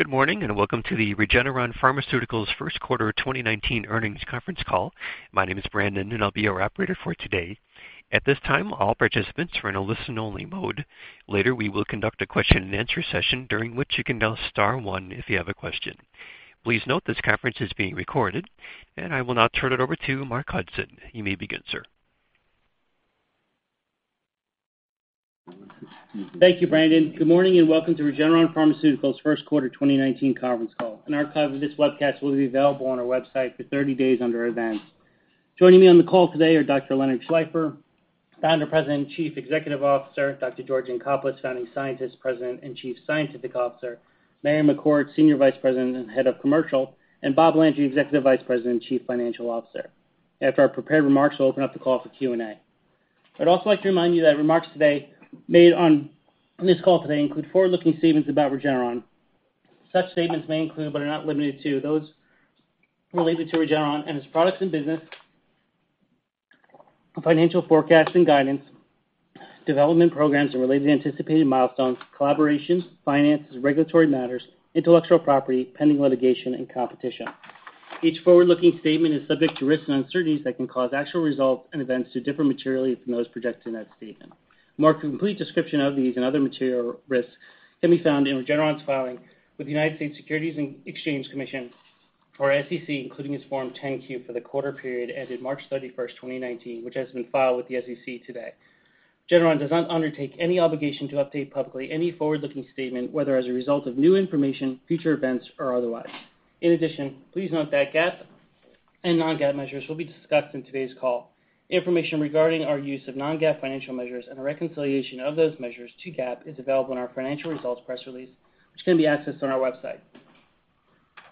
Good morning, and welcome to the Regeneron Pharmaceuticals first quarter 2019 earnings conference call. My name is Brandon, and I will be your operator for today. At this time, all participants are in a listen only mode. Later, we will conduct a question and answer session during which you can dial star one if you have a question. Please note this conference is being recorded, and I will now turn it over to Mark Hudson. You may begin, sir. Thank you, Brandon. Good morning, and welcome to Regeneron Pharmaceuticals' first quarter 2019 conference call. An archive of this webcast will be available on our website for 30 days under Events. Joining me on the call today are Dr. Leonard Schleifer, founder, president, and chief executive officer; Dr. George Yancopoulos, founding scientist, president, and chief scientific officer; Marion McCourt, senior vice president and head of commercial; and Bob Landry, executive vice president and chief financial officer. After our prepared remarks, we will open up the call for Q&A. I would also like to remind you that remarks made on this call today include forward-looking statements about Regeneron. Such statements may include, but are not limited to, those related to Regeneron and its products and business, financial forecasts and guidance, development programs and related anticipated milestones, collaborations, finances, regulatory matters, intellectual property, pending litigation, and competition. Each forward-looking statement is subject to risks and uncertainties that can cause actual results and events to differ materially from those projected in that statement. A more complete description of these and other material risks can be found in Regeneron's filing with the U.S. Securities and Exchange Commission, or SEC, including its Form 10-Q for the quarter period ended March 31st, 2019, which has been filed with the SEC today. Regeneron does not undertake any obligation to update publicly any forward-looking statement, whether as a result of new information, future events, or otherwise. In addition, please note that GAAP and non-GAAP measures will be discussed in today's call. Information regarding our use of non-GAAP financial measures and a reconciliation of those measures to GAAP is available in our financial results press release, which can be accessed on our website.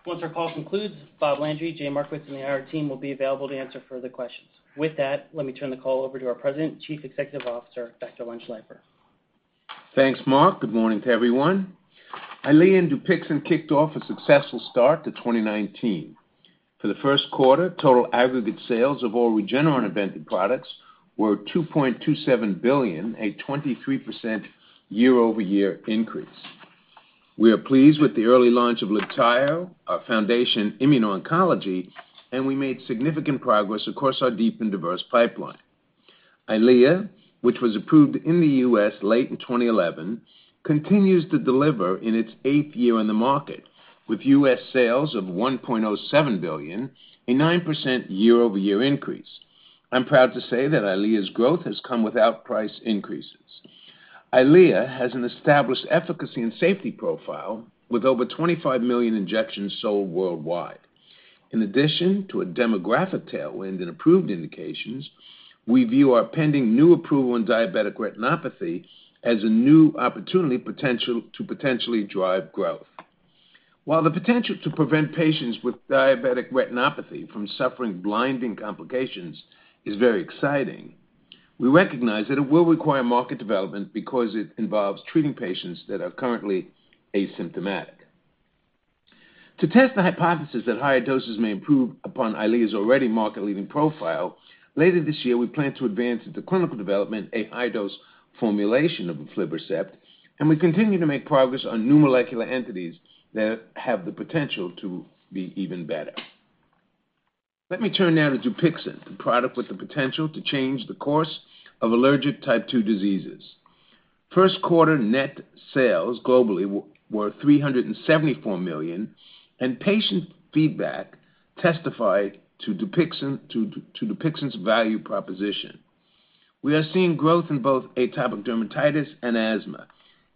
Once our call concludes, Bob Landry, Jay Markowitz, and our team will be available to answer further questions. With that, let me turn the call over to our president and chief executive officer, Dr. Len Schleifer. Thanks, Mark. Good morning to everyone. EYLEA and DUPIXENT kicked off a successful start to 2019. For the first quarter, total aggregate sales of all Regeneron invented products were $2.27 billion, a 23% year-over-year increase. We are pleased with the early launch of LIBTAYO, our foundation immuno-oncology, and we made significant progress across our deep and diverse pipeline. EYLEA, which was approved in the U.S. late in 2011, continues to deliver in its eighth year on the market, with U.S. sales of $1.07 billion, a 9% year-over-year increase. I'm proud to say that EYLEA's growth has come without price increases. EYLEA has an established efficacy and safety profile, with over 25 million injections sold worldwide. In addition to a demographic tailwind and approved indications, we view our pending new approval in diabetic retinopathy as a new opportunity potential to potentially drive growth. While the potential to prevent patients with diabetic retinopathy from suffering blinding complications is very exciting, we recognize that it will require market development because it involves treating patients that are currently asymptomatic. To test the hypothesis that higher doses may improve upon EYLEA's already market-leading profile, later this year, we plan to advance into clinical development a high-dose formulation of aflibercept, and we continue to make progress on new molecular entities that have the potential to be even better. Let me turn now to DUPIXENT, the product with the potential to change the course of allergic type 2 diseases. First quarter net sales globally were $374 million, and patient feedback testified to DUPIXENT's value proposition. We are seeing growth in both atopic dermatitis and asthma,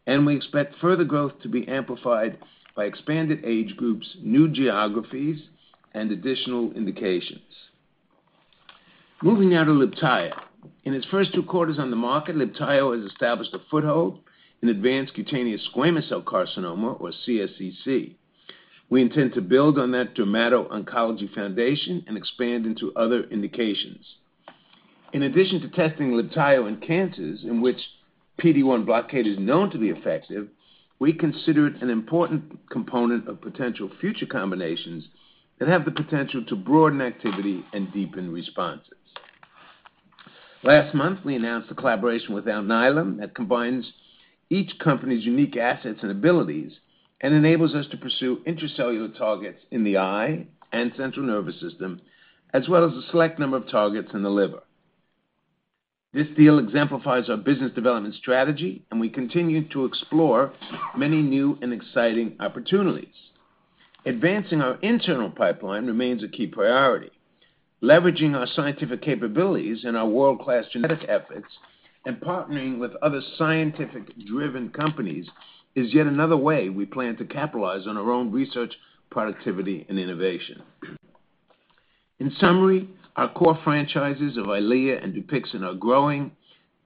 and we expect further growth to be amplified by expanded age groups, new geographies, and additional indications. Moving now to LIBTAYO. In its first two quarters on the market, LIBTAYO has established a foothold in advanced cutaneous squamous cell carcinoma, or CSCC. We intend to build on that dermato-oncology foundation and expand into other indications. In addition to testing LIBTAYO in cancers in which PD-1 blockade is known to be effective, we consider it an important component of potential future combinations that have the potential to broaden activity and deepen responses. Last month, we announced a collaboration with Alnylam that combines each company's unique assets and abilities and enables us to pursue intracellular targets in the eye and central nervous system, as well as a select number of targets in the liver. This deal exemplifies our business development strategy, and we continue to explore many new and exciting opportunities. Advancing our internal pipeline remains a key priority. Leveraging our scientific capabilities and our world-class genetic efforts and partnering with other scientific-driven companies is yet another way we plan to capitalize on our own research, productivity, and innovation. In summary, our core franchises of EYLEA and DUPIXENT are growing.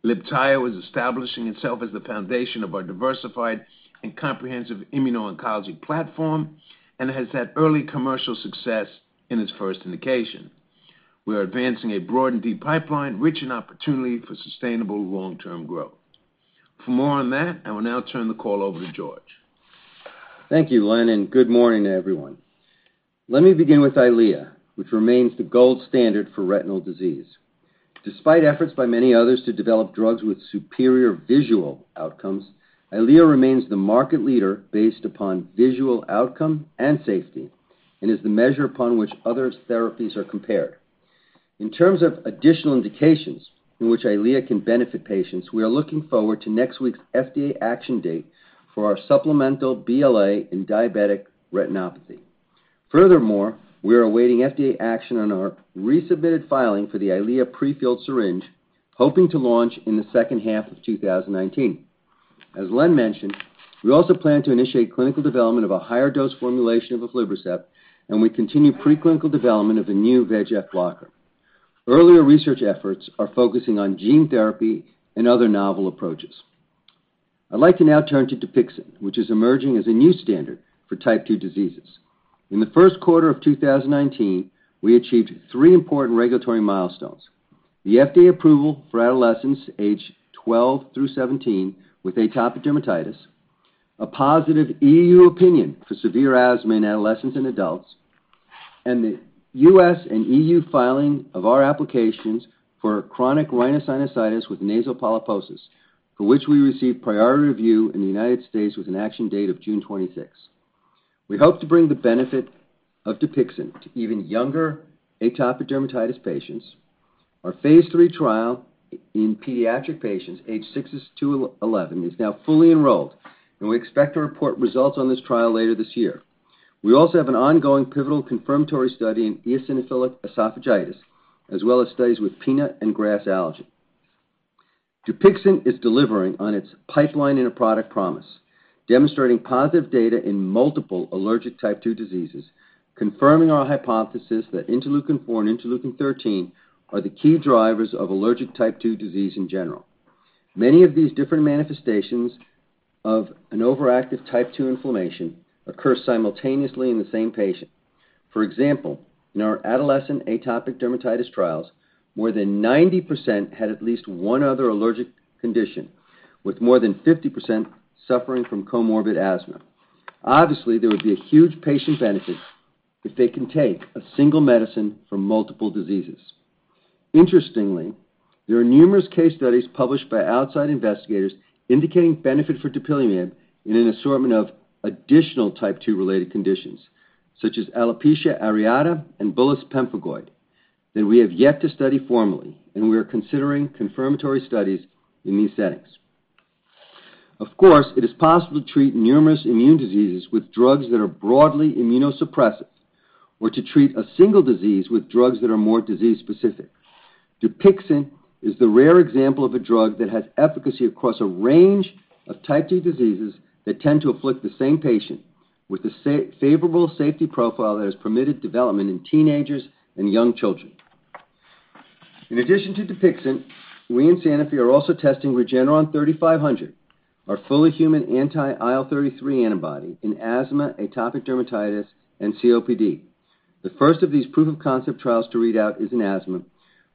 LIBTAYO is establishing itself as the foundation of our diversified and comprehensive immuno-oncology platform and has had early commercial success in its first indication. We are advancing a broad and deep pipeline rich in opportunity for sustainable long-term growth. For more on that, I will now turn the call over to George. Thank you, Len, and good morning to everyone. Let me begin with EYLEA, which remains the gold standard for retinal disease. Despite efforts by many others to develop drugs with superior visual outcomes, EYLEA remains the market leader based upon visual outcome and safety, and is the measure upon which other therapies are compared. In terms of additional indications in which EYLEA can benefit patients, we are looking forward to next week's FDA action date for our supplemental BLA in diabetic retinopathy. Furthermore, we are awaiting FDA action on our resubmitted filing for the EYLEA pre-filled syringe, hoping to launch in the second half of 2019. As Len mentioned, we also plan to initiate clinical development of a higher dose formulation of aflibercept, and we continue preclinical development of a new VEGF blocker. Earlier research efforts are focusing on gene therapy and other novel approaches. I'd like to now turn to DUPIXENT, which is emerging as a new standard for type 2 diseases. In the first quarter of 2019, we achieved three important regulatory milestones; the FDA approval for adolescents aged 12 through 17 with atopic dermatitis, a positive EU opinion for severe asthma in adolescents and adults, and the U.S. and EU filing of our applications for chronic rhinosinusitis with nasal polyposis, for which we received priority review in the United States with an action date of June 26th. We hope to bring the benefit of DUPIXENT to even younger atopic dermatitis patients. Our phase III trial in pediatric patients aged six to 11 is now fully enrolled, and we expect to report results on this trial later this year. We also have an ongoing pivotal confirmatory study in eosinophilic esophagitis, as well as studies with peanut and grass allergen. DUPIXENT is delivering on its pipeline and a product promise, demonstrating positive data in multiple allergic type 2 diseases, confirming our hypothesis that interleukin-4 and interleukin-13 are the key drivers of allergic type 2 disease in general. Many of these different manifestations of an overactive type 2 inflammation occur simultaneously in the same patient. For example, in our adolescent atopic dermatitis trials, more than 90% had at least one other allergic condition, with more than 50% suffering from comorbid asthma. Obviously, there would be a huge patient benefit if they can take a single medicine for multiple diseases. Interestingly, there are numerous case studies published by outside investigators indicating benefit for dupilumab in an assortment of additional type 2-related conditions, such as alopecia areata and bullous pemphigoid, that we have yet to study formally, and we are considering confirmatory studies in these settings. Of course, it is possible to treat numerous immune diseases with drugs that are broadly immunosuppressive, or to treat a single disease with drugs that are more disease-specific. DUPIXENT is the rare example of a drug that has efficacy across a range of type 2 diseases that tend to afflict the same patient with a favorable safety profile that has permitted development in teenagers and young children. In addition to DUPIXENT, we and Sanofi are also testing REGN3500, our fully human anti-IL-33 antibody in asthma, atopic dermatitis, and COPD. The first of these proof of concept trials to read out is in asthma,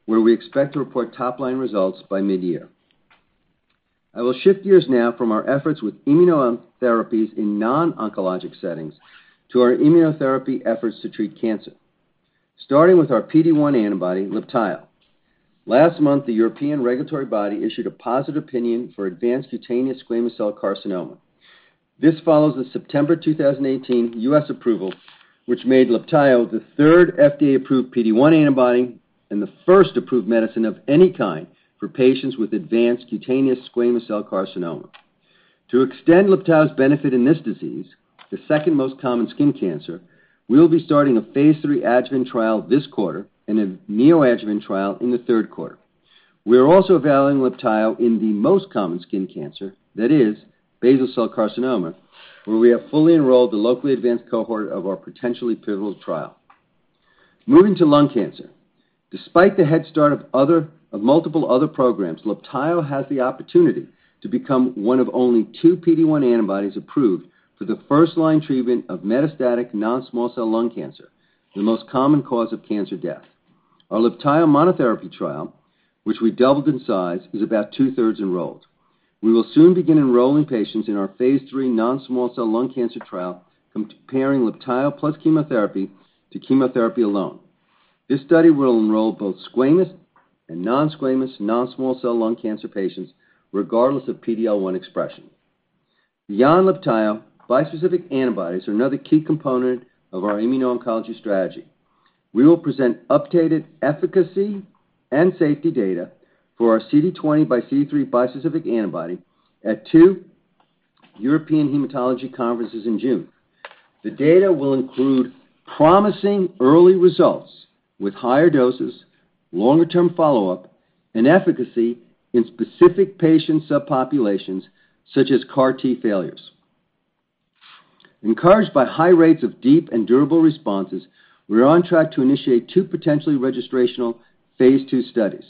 where we expect to report top-line results by mid-year. I will shift gears now from our efforts with immunotherapies in non-oncologic settings to our immunotherapy efforts to treat cancer, starting with our PD-1 antibody, LIBTAYO. Last month, the European regulatory body issued a positive opinion for advanced cutaneous squamous cell carcinoma. This follows the September 2018 U.S. approval, which made LIBTAYO the third FDA-approved PD-1 antibody and the first approved medicine of any kind for patients with advanced cutaneous squamous cell carcinoma. To extend LIBTAYO's benefit in this disease, the second most common skin cancer, we'll be starting a phase III adjuvant trial this quarter and a neoadjuvant trial in the third quarter. We are also evaluating LIBTAYO in the most common skin cancer, that is basal cell carcinoma, where we have fully enrolled the locally advanced cohort of our potentially pivotal trial. Moving to lung cancer. Despite the head start of multiple other programs, LIBTAYO has the opportunity to become one of only two PD-1 antibodies approved for the first-line treatment of metastatic non-small cell lung cancer, the most common cause of cancer death. Our LIBTAYO monotherapy trial, which we doubled in size, is about two-thirds enrolled. We will soon begin enrolling patients in our phase III non-small cell lung cancer trial, comparing LIBTAYO plus chemotherapy to chemotherapy alone. This study will enroll both squamous and non-squamous non-small cell lung cancer patients, regardless of PD-L1 expression. Beyond LIBTAYO, bispecific antibodies are another key component of our immuno-oncology strategy. We will present updated efficacy and safety data for our CD20 by CD3 bispecific antibody at two European hematology conferences in June. The data will include promising early results with higher doses, longer-term follow-up, and efficacy in specific patient subpopulations, such as CAR T failures. Encouraged by high rates of deep and durable responses, we are on track to initiate two potentially registrational phase II studies.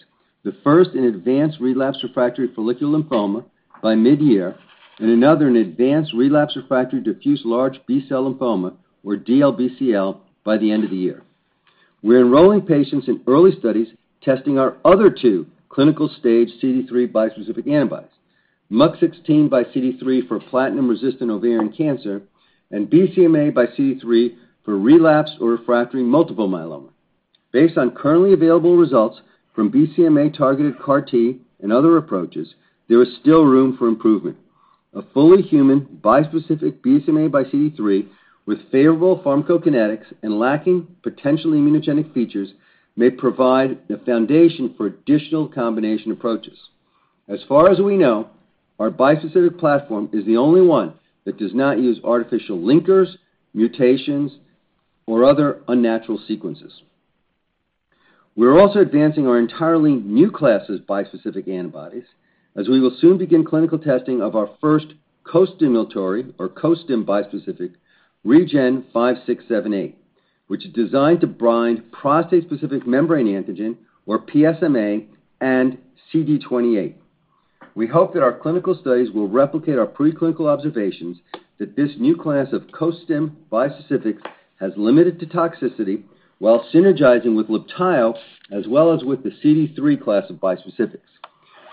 The first, in advanced relapse refractory follicular lymphoma by mid-year, and another in advanced relapse refractory diffuse large B-cell lymphoma, or DLBCL, by the end of the year. We're enrolling patients in early studies testing our other two clinical stage CD3 bispecific antibodies, MUC16 by CD3 for platinum-resistant ovarian cancer and BCMA by CD3 for relapsed or refractory multiple myeloma. Based on currently available results from BCMA-targeted CAR T and other approaches, there is still room for improvement. A fully human bispecific BCMA by CD3 with favorable pharmacokinetics and lacking potential immunogenic features may provide the foundation for additional combination approaches. As far as we know, our bispecific platform is the only one that does not use artificial linkers, mutations, or other unnatural sequences. We're also advancing our entirely new classes bispecific antibodies, as we will soon begin clinical testing of our first costimulatory or costim bispecific REGN5678, which is designed to bind prostate-specific membrane antigen or PSMA and CD28. We hope that our clinical studies will replicate our preclinical observations that this new class of costim bispecifics has limited toxicity while synergizing with LIBTAYO as well as with the CD3 class of bispecifics.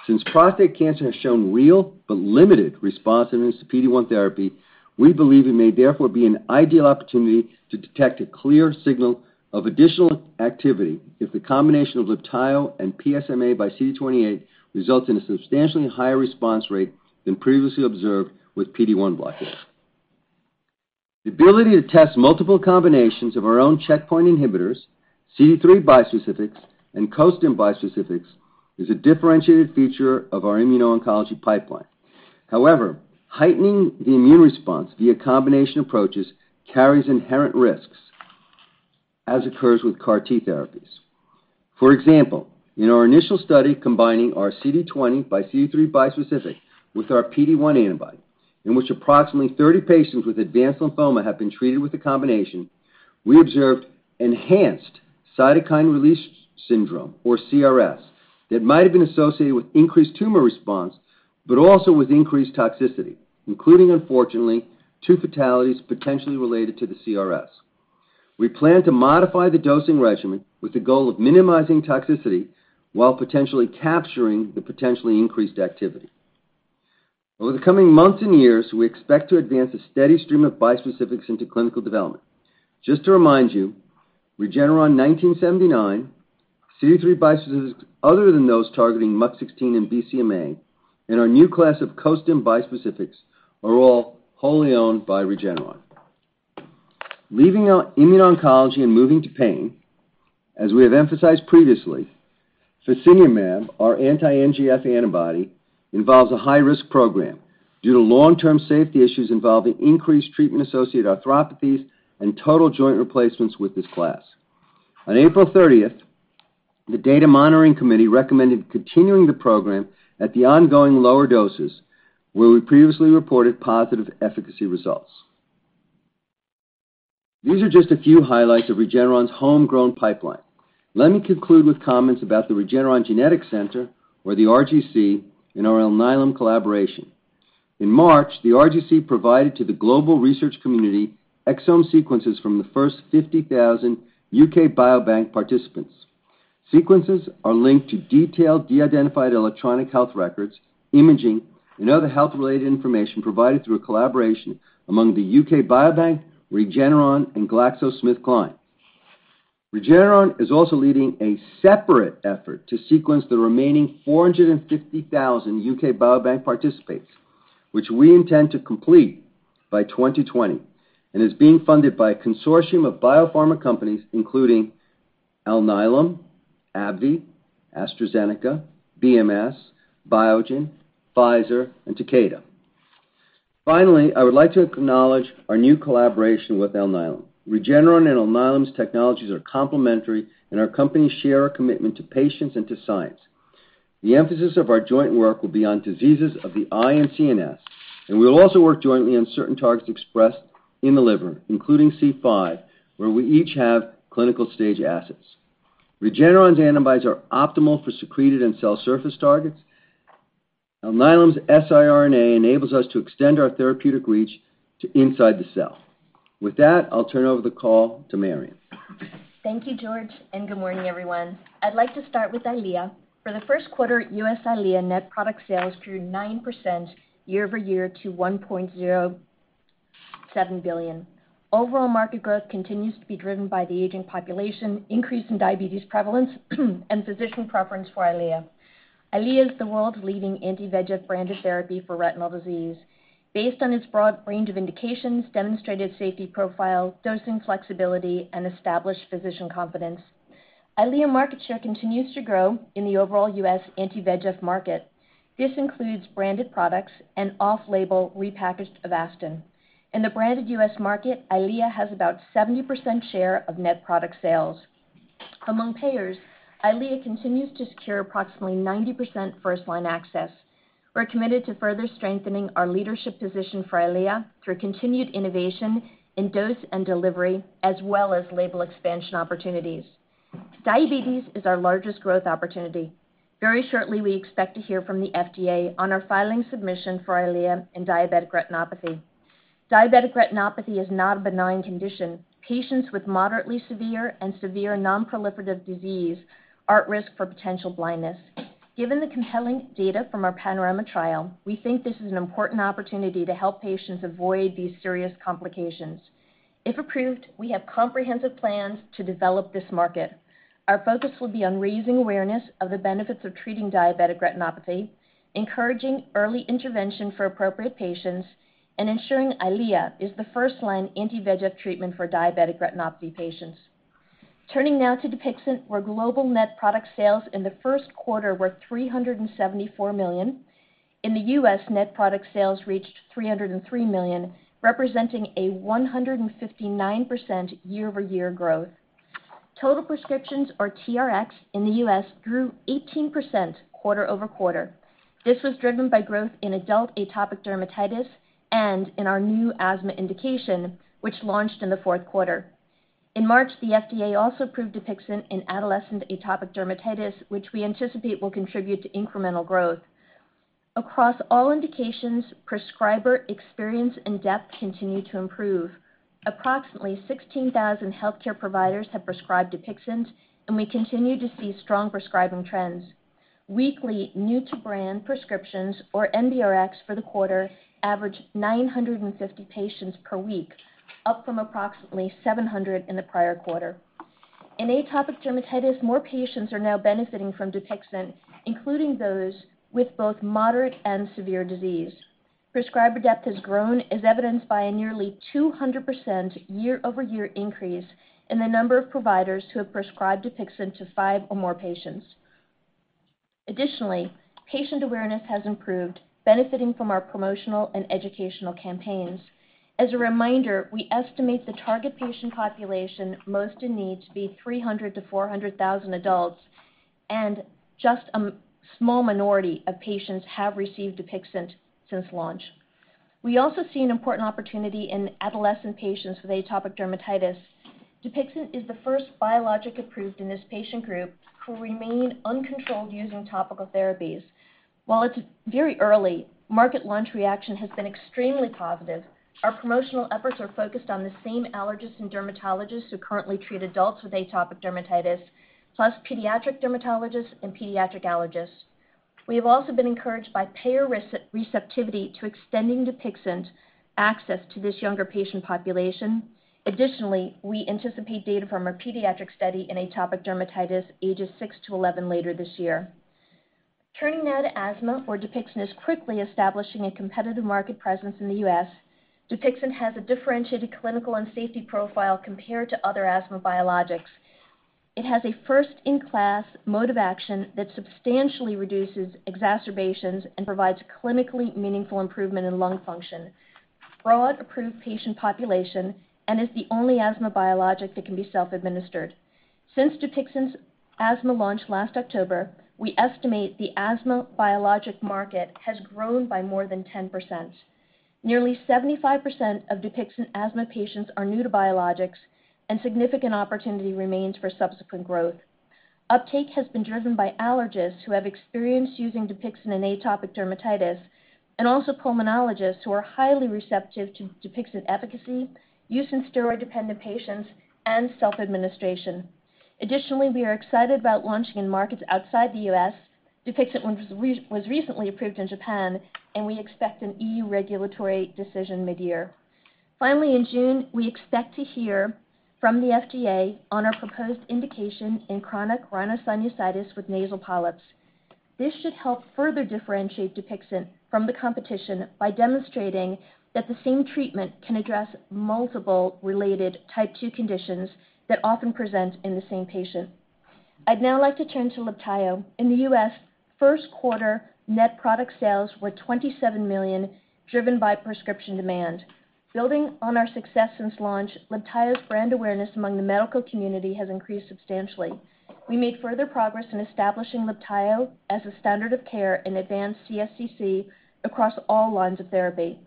Since prostate cancer has shown real but limited responsiveness to PD-1 therapy, we believe it may therefore be an ideal opportunity to detect a clear signal of additional activity if the combination of LIBTAYO and PSMA by CD28 results in a substantially higher response rate than previously observed with PD-1 blockers. The ability to test multiple combinations of our own checkpoint inhibitors, CD3 bispecifics, and costim bispecifics is a differentiated feature of our immuno-oncology pipeline. However, heightening the immune response via combination approaches carries inherent risks as occurs with CAR T therapies. For example, in our initial study combining our CD20xCD3 bispecific with our PD-1 antibody, in which approximately 30 patients with advanced lymphoma have been treated with the combination, we observed enhanced cytokine release syndrome or CRS that might have been associated with increased tumor response, but also with increased toxicity, including unfortunately, two fatalities potentially related to the CRS. We plan to modify the dosing regimen with the goal of minimizing toxicity while potentially capturing the potentially increased activity. Over the coming months and years, we expect to advance a steady stream of bispecifics into clinical development. Just to remind you, REGN1979, CD3 bispecifics other than those targeting MUC16 and BCMA, and our new class of costim bispecifics are all wholly owned by Regeneron. Leaving our immuno-oncology and moving to pain, as we have emphasized previously, fasinumab, our anti-NGF antibody, involves a high-risk program due to long-term safety issues involving increased treatment-associated arthropathies and total joint replacements with this class. On April 30th, the data monitoring committee recommended continuing the program at the ongoing lower doses where we previously reported positive efficacy results. These are just a few highlights of Regeneron's homegrown pipeline. Let me conclude with comments about the Regeneron Genetics Center, or the RGC, and our Alnylam collaboration. In March, the RGC provided to the global research community exome sequences from the first 50,000 UK Biobank participants. Sequences are linked to detailed de-identified electronic health records, imaging, and other health-related information provided through a collaboration among the UK Biobank, Regeneron, and GlaxoSmithKline. Regeneron is also leading a separate effort to sequence the remaining 450,000 UK Biobank participants, which we intend to complete by 2020 and is being funded by a consortium of biopharma companies including Alnylam, AbbVie, AstraZeneca, BMS, Biogen, Pfizer, and Takeda. Finally, I would like to acknowledge our new collaboration with Alnylam. Regeneron and Alnylam's technologies are complementary, and our companies share a commitment to patients and to science. The emphasis of our joint work will be on diseases of the eye and CNS, and we will also work jointly on certain targets expressed in the liver, including C5, where we each have clinical stage assets. Regeneron's antibodies are optimal for secreted and cell surface targets. Alnylam's siRNA enables us to extend our therapeutic reach to inside the cell. With that, I'll turn over the call to Marion. Thank you, George, and good morning, everyone. I'd like to start with EYLEA. For the first quarter at U.S., EYLEA net product sales grew 9% year-over-year to $1.07 billion. Overall market growth continues to be driven by the aging population, increase in diabetes prevalence, and physician preference for EYLEA. EYLEA is the world's leading anti-VEGF branded therapy for retinal disease based on its broad range of indications, demonstrated safety profile, dosing flexibility, and established physician confidence. EYLEA market share continues to grow in the overall U.S. anti-VEGF market. This includes branded products and off-label repackaged Avastin. In the branded U.S. market, EYLEA has about 70% share of net product sales. Among payers, EYLEA continues to secure approximately 90% first-line access. We're committed to further strengthening our leadership position for EYLEA through continued innovation in dose and delivery as well as label expansion opportunities. Diabetes is our largest growth opportunity. Very shortly, we expect to hear from the FDA on our filing submission for EYLEA in diabetic retinopathy. Diabetic retinopathy is not a benign condition. Patients with moderately severe and severe non-proliferative disease are at risk for potential blindness. Given the compelling data from our PANORAMA trial, we think this is an important opportunity to help patients avoid these serious complications. If approved, we have comprehensive plans to develop this market. Our focus will be on raising awareness of the benefits of treating diabetic retinopathy, encouraging early intervention for appropriate patients, and ensuring EYLEA is the first-line anti-VEGF treatment for diabetic retinopathy patients. Turning now to DUPIXENT, where global net product sales in the first quarter were $374 million. In the U.S., net product sales reached $303 million, representing a 159% year-over-year growth. Total prescriptions, or TRx, in the U.S. grew 18% quarter-over-quarter. This was driven by growth in adult atopic dermatitis and in our new asthma indication, which launched in the fourth quarter. In March, the FDA also approved DUPIXENT in adolescent atopic dermatitis, which we anticipate will contribute to incremental growth. Across all indications, prescriber experience and depth continue to improve. Approximately 16,000 healthcare providers have prescribed DUPIXENT, and we continue to see strong prescribing trends. Weekly new-to-brand prescriptions, or NBRx, for the quarter averaged 950 patients per week, up from approximately 700 in the prior quarter. In atopic dermatitis, more patients are now benefiting from DUPIXENT, including those with both moderate and severe disease. Prescriber depth has grown, as evidenced by a nearly 200% year-over-year increase in the number of providers who have prescribed DUPIXENT to five or more patients. Additionally, patient awareness has improved, benefiting from our promotional and educational campaigns. As a reminder, we estimate the target patient population most in need to be 300,000 to 400,000 adults, and just a small minority of patients have received DUPIXENT since launch. We also see an important opportunity in adolescent patients with atopic dermatitis. DUPIXENT is the first biologic approved in this patient group who remain uncontrolled using topical therapies. While it's very early, market launch reaction has been extremely positive. Our promotional efforts are focused on the same allergists and dermatologists who currently treat adults with atopic dermatitis, plus pediatric dermatologists and pediatric allergists. We have also been encouraged by payer receptivity to extending DUPIXENT access to this younger patient population. Additionally, we anticipate data from a pediatric study in atopic dermatitis ages 6-11 later this year. Turning now to asthma, where DUPIXENT is quickly establishing a competitive market presence in the U.S. DUPIXENT has a differentiated clinical and safety profile compared to other asthma biologics. It has a first-in-class mode of action that substantially reduces exacerbations and provides clinically meaningful improvement in lung function, broad approved patient population, and is the only asthma biologic that can be self-administered. Since DUPIXENT's asthma launch last October, we estimate the asthma biologic market has grown by more than 10%. Nearly 75% of DUPIXENT asthma patients are new to biologics, and significant opportunity remains for subsequent growth. Uptake has been driven by allergists who have experience using DUPIXENT in atopic dermatitis, and also pulmonologists who are highly receptive to DUPIXENT efficacy, use in steroid-dependent patients, and self-administration. Additionally, we are excited about launching in markets outside the U.S. DUPIXENT was recently approved in Japan, and we expect an EU regulatory decision mid-year. Finally, in June, we expect to hear from the FDA on our proposed indication in chronic rhinosinusitis with nasal polyps. This should help further differentiate DUPIXENT from the competition by demonstrating that the same treatment can address multiple related Type 2 conditions that often present in the same patient. I'd now like to turn to LIBTAYO. In the U.S., first quarter net product sales were $27 million, driven by prescription demand. Building on our success since launch, LIBTAYO's brand awareness among the medical community has increased substantially. We made further progress in establishing LIBTAYO as a standard of care in advanced CSCC across all lines of therapy.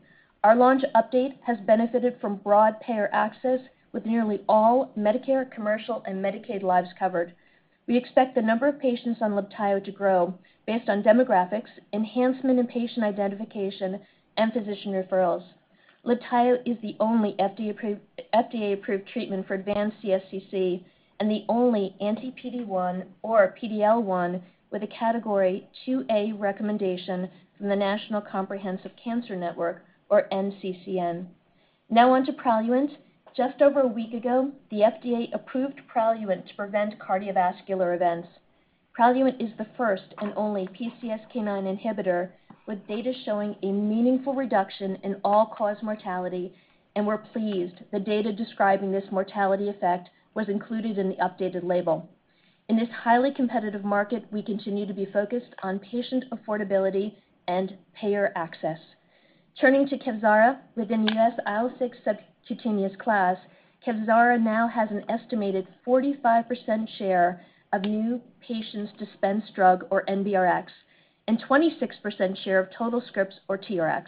Our launch update has benefited from broad payer access, with nearly all Medicare, commercial, and Medicaid lives covered. We expect the number of patients on LIBTAYO to grow based on demographics, enhancement in patient identification, and physician referrals. LIBTAYO is the only FDA-approved treatment for advanced CSCC and the only anti-PD-1 or PD-L1 with a Category 2A recommendation from the National Comprehensive Cancer Network, or NCCN. On to PRALUENT. Just over a week ago, the FDA approved PRALUENT to prevent cardiovascular events. PRALUENT is the first and only PCSK9 inhibitor with data showing a meaningful reduction in all-cause mortality, and we're pleased the data describing this mortality effect was included in the updated label. In this highly competitive market, we continue to be focused on patient affordability and payer access. Turning to KEVZARA. Within the U.S. IL-6 subcutaneous class, KEVZARA now has an estimated 45% share of new patients dispense drug, or NBRx, and 26% share of total scripts, or TRx.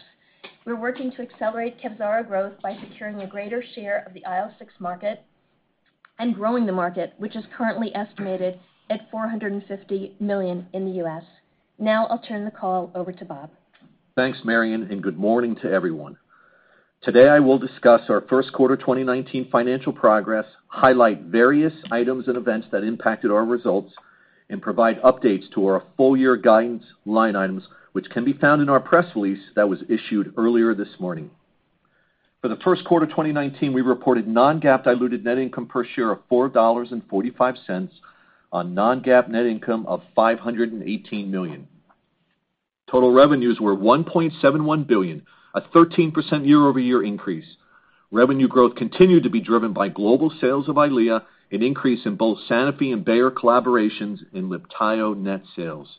We're working to accelerate KEVZARA growth by securing a greater share of the IL-6 market and growing the market, which is currently estimated at $450 million in the U.S. I'll turn the call over to Bob. Thanks, Marion, and good morning to everyone. Today, I will discuss our first quarter 2019 financial progress, highlight various items and events that impacted our results, and provide updates to our full year guidance line items, which can be found in our press release that was issued earlier this morning. For the first quarter 2019, we reported non-GAAP diluted net income per share of $4.45 on non-GAAP net income of $518 million. Total revenues were $1.71 billion, a 13% year-over-year increase. Revenue growth continued to be driven by global sales of EYLEA, an increase in both Sanofi and Bayer collaborations in LIBTAYO net sales.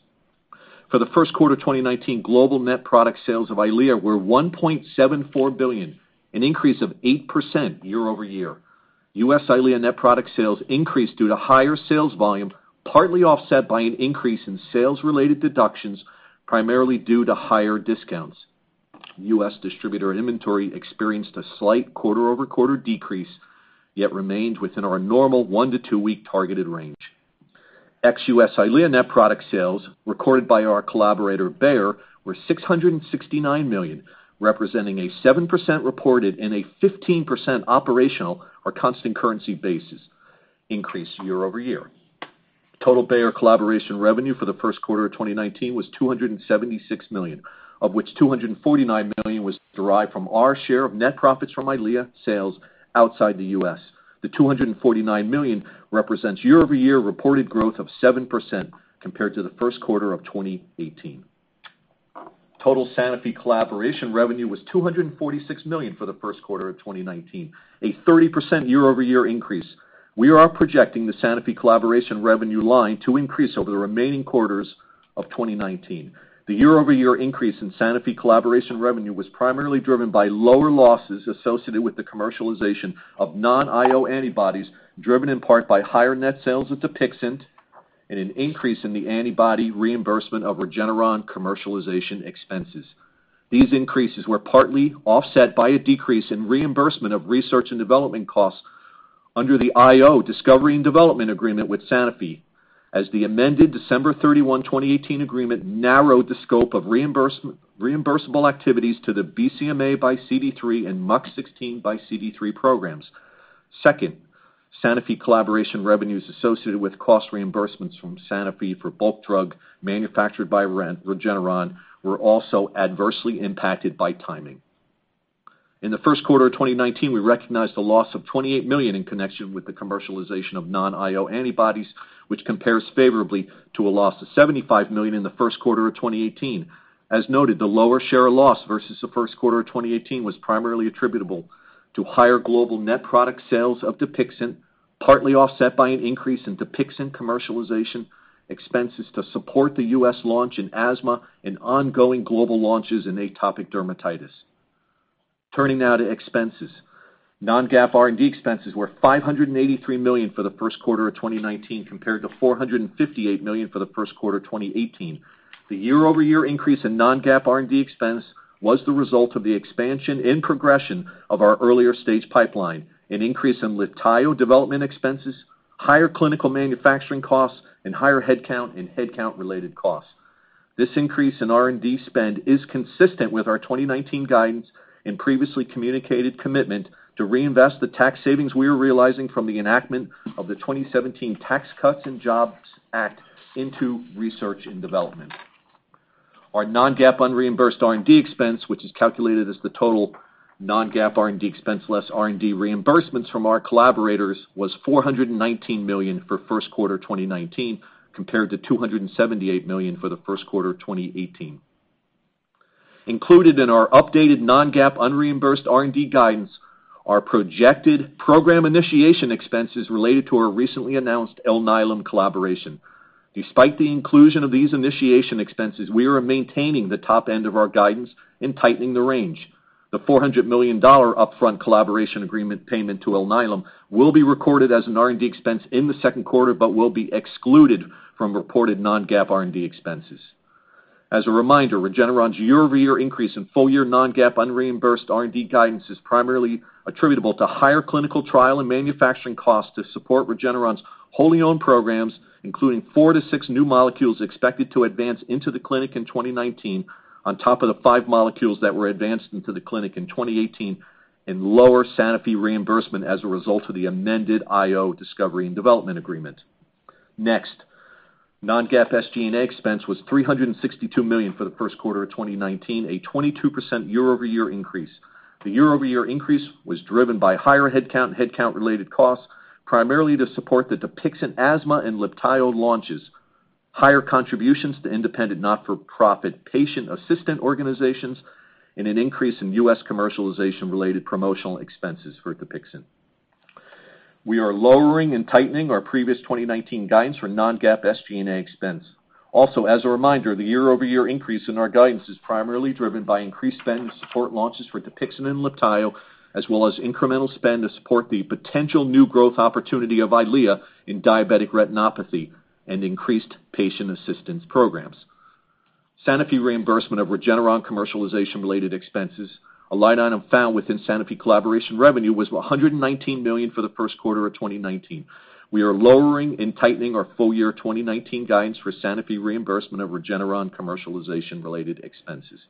For the first quarter 2019, global net product sales of EYLEA were $1.74 billion, an increase of 8% year-over-year. U.S. EYLEA net product sales increased due to higher sales volume, partly offset by an increase in sales-related deductions, primarily due to higher discounts. US distributor inventory experienced a slight quarter-over-quarter decrease, yet remains within our normal one to two week targeted range. ex-U.S. EYLEA net product sales recorded by our collaborator, Bayer, were $669 million, representing a 7% reported and a 15% operational or constant currency basis increase year-over-year. Total Bayer collaboration revenue for the first quarter of 2019 was $276 million, of which $249 million was derived from our share of net profits from EYLEA sales outside the U.S. The $249 million represents year-over-year reported growth of 7% compared to the first quarter of 2018. Total Sanofi collaboration revenue was $246 million for the first quarter of 2019, a 30% year-over-year increase. We are projecting the Sanofi collaboration revenue line to increase over the remaining quarters of 2019. The year-over-year increase in Sanofi collaboration revenue was primarily driven by lower losses associated with the commercialization of non-IO antibodies, driven in part by higher net sales of DUPIXENT, and an increase in the antibody reimbursement of Regeneron commercialization expenses. These increases were partly offset by a decrease in reimbursement of research and development costs under the IO discovery and development agreement with Sanofi, as the amended December 31, 2018 agreement narrowed the scope of reimbursable activities to the BCMA by CD3 and MUC16 by CD3 programs. Second, Sanofi collaboration revenues associated with cost reimbursements from Sanofi for bulk drug manufactured by Regeneron were also adversely impacted by timing. In the first quarter of 2019, we recognized a loss of $28 million in connection with the commercialization of non-IO antibodies, which compares favorably to a loss of $75 million in the first quarter of 2018. As noted, the lower share of loss versus the first quarter of 2018 was primarily attributable to higher global net product sales of DUPIXENT, partly offset by an increase in DUPIXENT commercialization expenses to support the U.S. launch in asthma and ongoing global launches in atopic dermatitis. Turning now to expenses. non-GAAP R&D expenses were $583 million for the first quarter of 2019, compared to $458 million for the first quarter 2018. The year-over-year increase in non-GAAP R&D expense was the result of the expansion and progression of our earlier stage pipeline, an increase in LIBTAYO development expenses, higher clinical manufacturing costs, and higher headcount and headcount-related costs. This increase in R&D spend is consistent with our 2019 guidance and previously communicated commitment to reinvest the tax savings we are realizing from the enactment of the Tax Cuts and Jobs Act of 2017 into research and development. Our non-GAAP unreimbursed R&D expense, which is calculated as the total non-GAAP R&D expense less R&D reimbursements from our collaborators, was $419 million for first quarter 2019, compared to $278 million for the first quarter 2018. Included in our updated non-GAAP unreimbursed R&D guidance are projected program initiation expenses related to our recently announced Alnylam collaboration. Despite the inclusion of these initiation expenses, we are maintaining the top end of our guidance and tightening the range. The $400 million upfront collaboration agreement payment to Alnylam will be recorded as an R&D expense in the second quarter, but will be excluded from reported non-GAAP R&D expenses. As a reminder, Regeneron's year-over-year increase in full year non-GAAP unreimbursed R&D guidance is primarily attributable to higher clinical trial and manufacturing costs to support Regeneron's wholly owned programs, including four to six new molecules expected to advance into the clinic in 2019, on top of the five molecules that were advanced into the clinic in 2018, and lower Sanofi reimbursement as a result of the amended IO discovery and development agreement. Non-GAAP SG&A expense was $362 million for the first quarter of 2019, a 22% year-over-year increase. The year-over-year increase was driven by higher headcount and headcount-related costs, primarily to support the DUPIXENT asthma and LIBTAYO launches, higher contributions to independent not-for-profit patient assistant organizations, and an increase in U.S. commercialization-related promotional expenses for DUPIXENT. We are lowering and tightening our previous 2019 guidance for non-GAAP SG&A expense. As a reminder, the year-over-year increase in our guidance is primarily driven by increased spend and support launches for DUPIXENT and LIBTAYO, as well as incremental spend to support the potential new growth opportunity of EYLEA in diabetic retinopathy and increased patient assistance programs. Sanofi reimbursement of Regeneron commercialization-related expenses, a line item found within Sanofi collaboration revenue, was $119 million for the first quarter of 2019. We are lowering and tightening our full year 2019 guidance for Sanofi reimbursement of Regeneron commercialization-related expenses.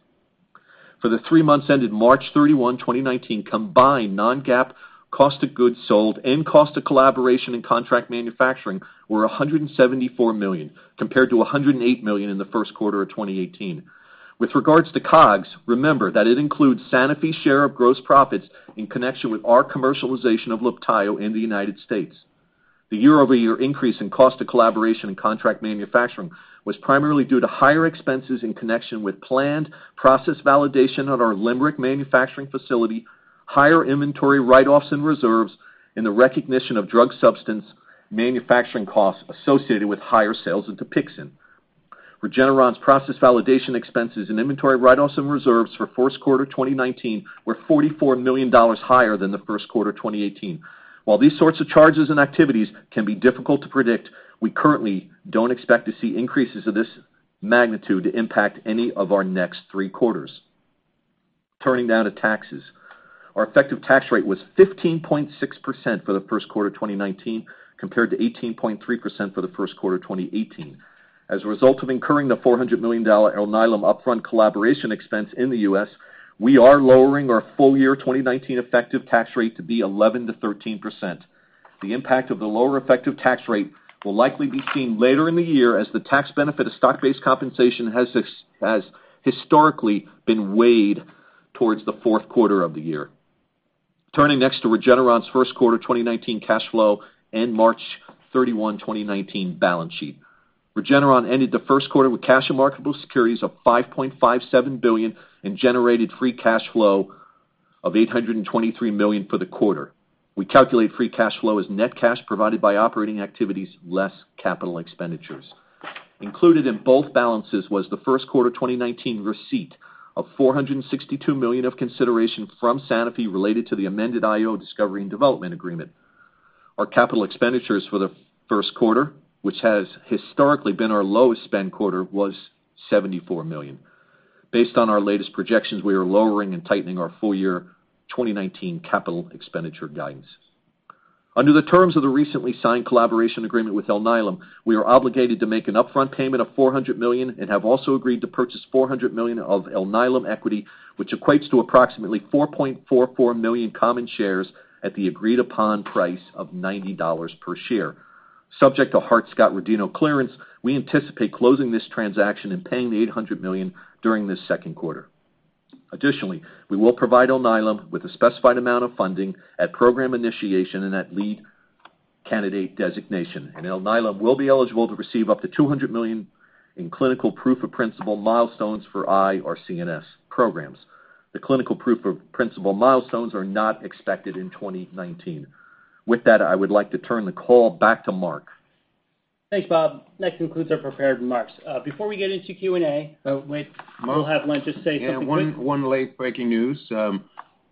For the three months ended March 31, 2019, combined non-GAAP cost of goods sold and cost of collaboration and contract manufacturing were $174 million, compared to $108 million in the first quarter of 2018. With regards to COGS, remember that it includes Sanofi's share of gross profits in connection with our commercialization of LIBTAYO in the United States. The year-over-year increase in cost of collaboration and contract manufacturing was primarily due to higher expenses in connection with planned process validation at our Limerick manufacturing facility, higher inventory write-offs and reserves, and the recognition of drug substance manufacturing costs associated with higher sales of DUPIXENT. Regeneron's process validation expenses and inventory write-offs and reserves for first quarter 2019 were $44 million higher than the first quarter 2018. While these sorts of charges and activities can be difficult to predict, we currently don't expect to see increases of this magnitude impact any of our next three quarters. Turning now to taxes. Our effective tax rate was 15.6% for the first quarter of 2019, compared to 18.3% for the first quarter 2018. As a result of incurring the $400 million Alnylam upfront collaboration expense in the U.S., we are lowering our full year 2019 effective tax rate to be 11%-13%. The impact of the lower effective tax rate will likely be seen later in the year, as the tax benefit of stock-based compensation has historically been weighed towards the fourth quarter of the year. Turning next to Regeneron's first quarter 2019 cash flow and March 31, 2019 balance sheet. Regeneron ended the first quarter with cash and marketable securities of $5.57 billion and generated free cash flow of $823 million for the quarter. We calculate free cash flow as net cash provided by operating activities less capital expenditures. Included in both balances was the first quarter 2019 receipt of $462 million of consideration from Sanofi related to the amended IO discovery and development agreement. Our capital expenditures for the first quarter, which has historically been our lowest spend quarter, was $74 million. Based on our latest projections, we are lowering and tightening our full year 2019 capital expenditure guidance. Under the terms of the recently signed collaboration agreement with Alnylam, we are obligated to make an upfront payment of $400 million and have also agreed to purchase $400 million of Alnylam equity, which equates to approximately 4.44 million common shares at the agreed-upon price of $90 per share. Subject to Hart-Scott-Rodino clearance, we anticipate closing this transaction and paying the $800 million during this second quarter. Additionally, we will provide Alnylam with a specified amount of funding at program initiation and at lead candidate designation. Alnylam will be eligible to receive up to $200 million in clinical proof of principle milestones for eye or CNS programs. The clinical proof of principle milestones are not expected in 2019. With that, I would like to turn the call back to Mark. Thanks, Bob. That concludes our prepared remarks. Before we get into Q&A. Oh, wait. We'll have Len just say something quick. Yeah, 1 late breaking news.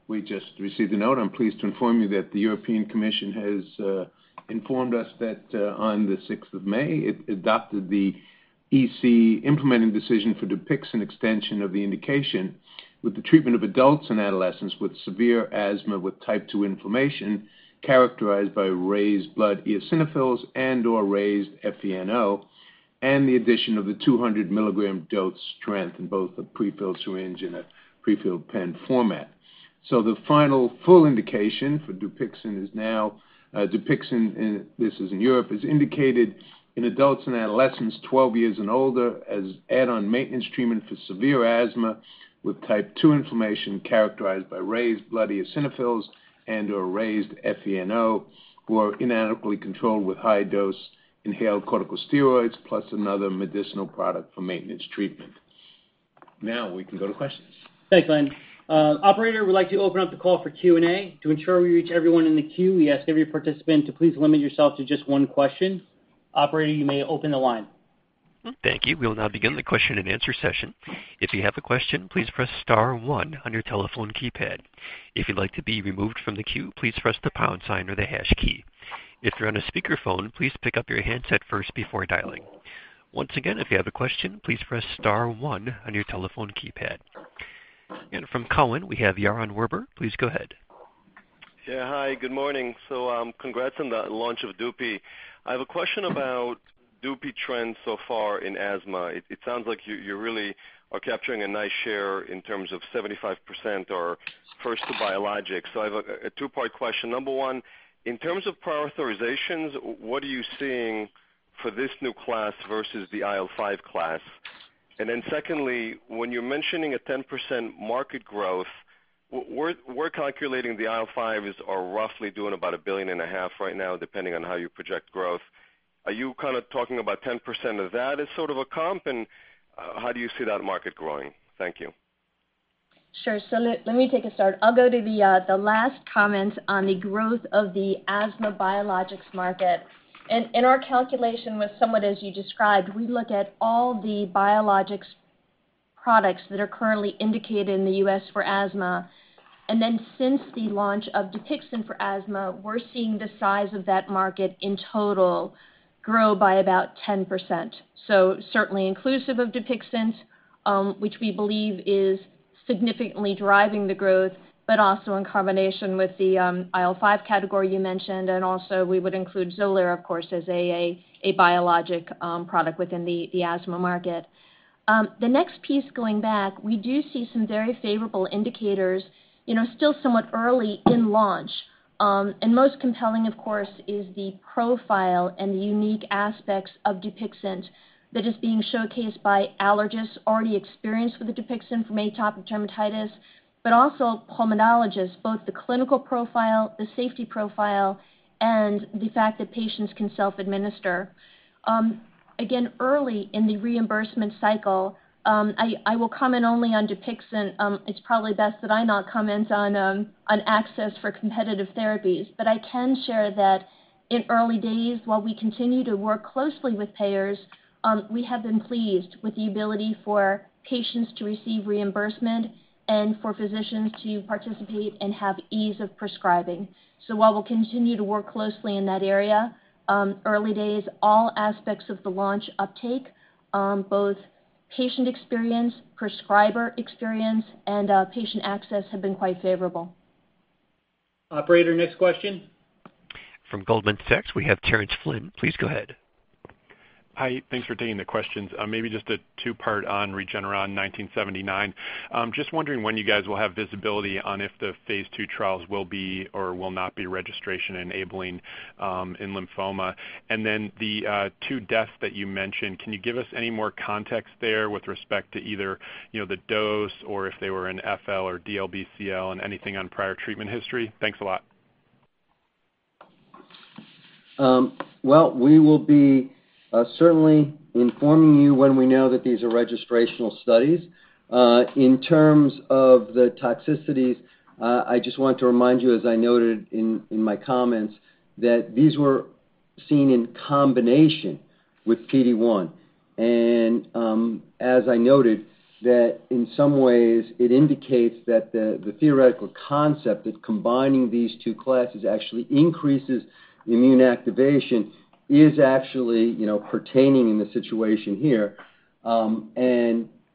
We just received a note. I'm pleased to inform you that the European Commission has informed us that on the 6th of May, it adopted the EC implementing decision for DUPIXENT extension of the indication with the treatment of adults and adolescents with severe asthma with type 2 inflammation, characterized by raised blood eosinophils and/or raised FENO, and the addition of the 200 milligram dose strength in both the prefilled syringe and a prefilled pen format. The final full indication for DUPIXENT is now, DUPIXENT, this is in Europe, is indicated in adults and adolescents 12 years and older as add-on maintenance treatment for severe asthma with type 2 inflammation characterized by raised blood eosinophils and/or raised FENO, who are inadequately controlled with high-dose inhaled corticosteroids plus another medicinal product for maintenance treatment. We can go to questions. Thanks, Len. Operator, we'd like to open up the call for Q&A. To ensure we reach everyone in the queue, we ask every participant to please limit yourself to just one question. Operator, you may open the line. Thank you. We will now begin the question and answer session. If you have a question, please press *1 on your telephone keypad. If you'd like to be removed from the queue, please press the pound sign or the hash key. If you're on a speakerphone, please pick up your handset first before dialing. Once again, if you have a question, please press *1 on your telephone keypad. From Cowen, we have Yaron Werber. Please go ahead. Hi, good morning. Congrats on the launch of DUPIXENT. I have a question about DUPIXENT trends so far in asthma. It sounds like you really are capturing a nice share in terms of 75% or first to biologics. I have a two-part question. Number one, in terms of prior authorizations, what are you seeing for this new class versus the IL-5 class? Secondly, when you're mentioning a 10% market growth, we're calculating the IL-5s are roughly doing about $1.5 billion right now, depending on how you project growth. Are you kind of talking about 10% of that as sort of a comp? How do you see that market growing? Thank you. Sure. Let me take a start. I'll go to the last comment on the growth of the asthma biologics market. In our calculation with somewhat as you described, we look at all the biologics products that are currently indicated in the U.S. for asthma. Since the launch of DUPIXENT for asthma, we're seeing the size of that market in total grow by about 10%. Certainly inclusive of DUPIXENT, which we believe is significantly driving the growth, but also in combination with the IL-5 category you mentioned, we would include XOLAIR, of course, as a biologic product within the asthma market. The next piece going back, we do see some very favorable indicators, still somewhat early in launch. Most compelling, of course, is the profile and the unique aspects of DUPIXENT that is being showcased by allergists already experienced with DUPIXENT from atopic dermatitis, but also pulmonologists, both the clinical profile, the safety profile, and the fact that patients can self-administer. Again, early in the reimbursement cycle, I will comment only on DUPIXENT. It's probably best that I not comment on access for competitive therapies. I can share that in early days, while we continue to work closely with payers, we have been pleased with the ability for patients to receive reimbursement and for physicians to participate and have ease of prescribing. While we'll continue to work closely in that area, early days, all aspects of the launch uptake, both patient experience, prescriber experience, and patient access have been quite favorable. Operator, next question. From Goldman Sachs, we have Terence Flynn. Please go ahead. Hi, thanks for taking the questions. Maybe just a two-part on REGN1979. Just wondering when you guys will have visibility on if the phase II trials will be or will not be registration enabling in lymphoma. Then the two deaths that you mentioned, can you give us any more context there with respect to either the dose or if they were in FL or DLBCL and anything on prior treatment history? Thanks a lot. Well, we will be certainly informing you when we know that these are registrational studies. In terms of the toxicities, I just want to remind you, as I noted in my comments, that these were seen in combination with PD-1. As I noted, that in some ways it indicates that the theoretical concept of combining these two classes actually increases immune activation, is actually pertaining in the situation here.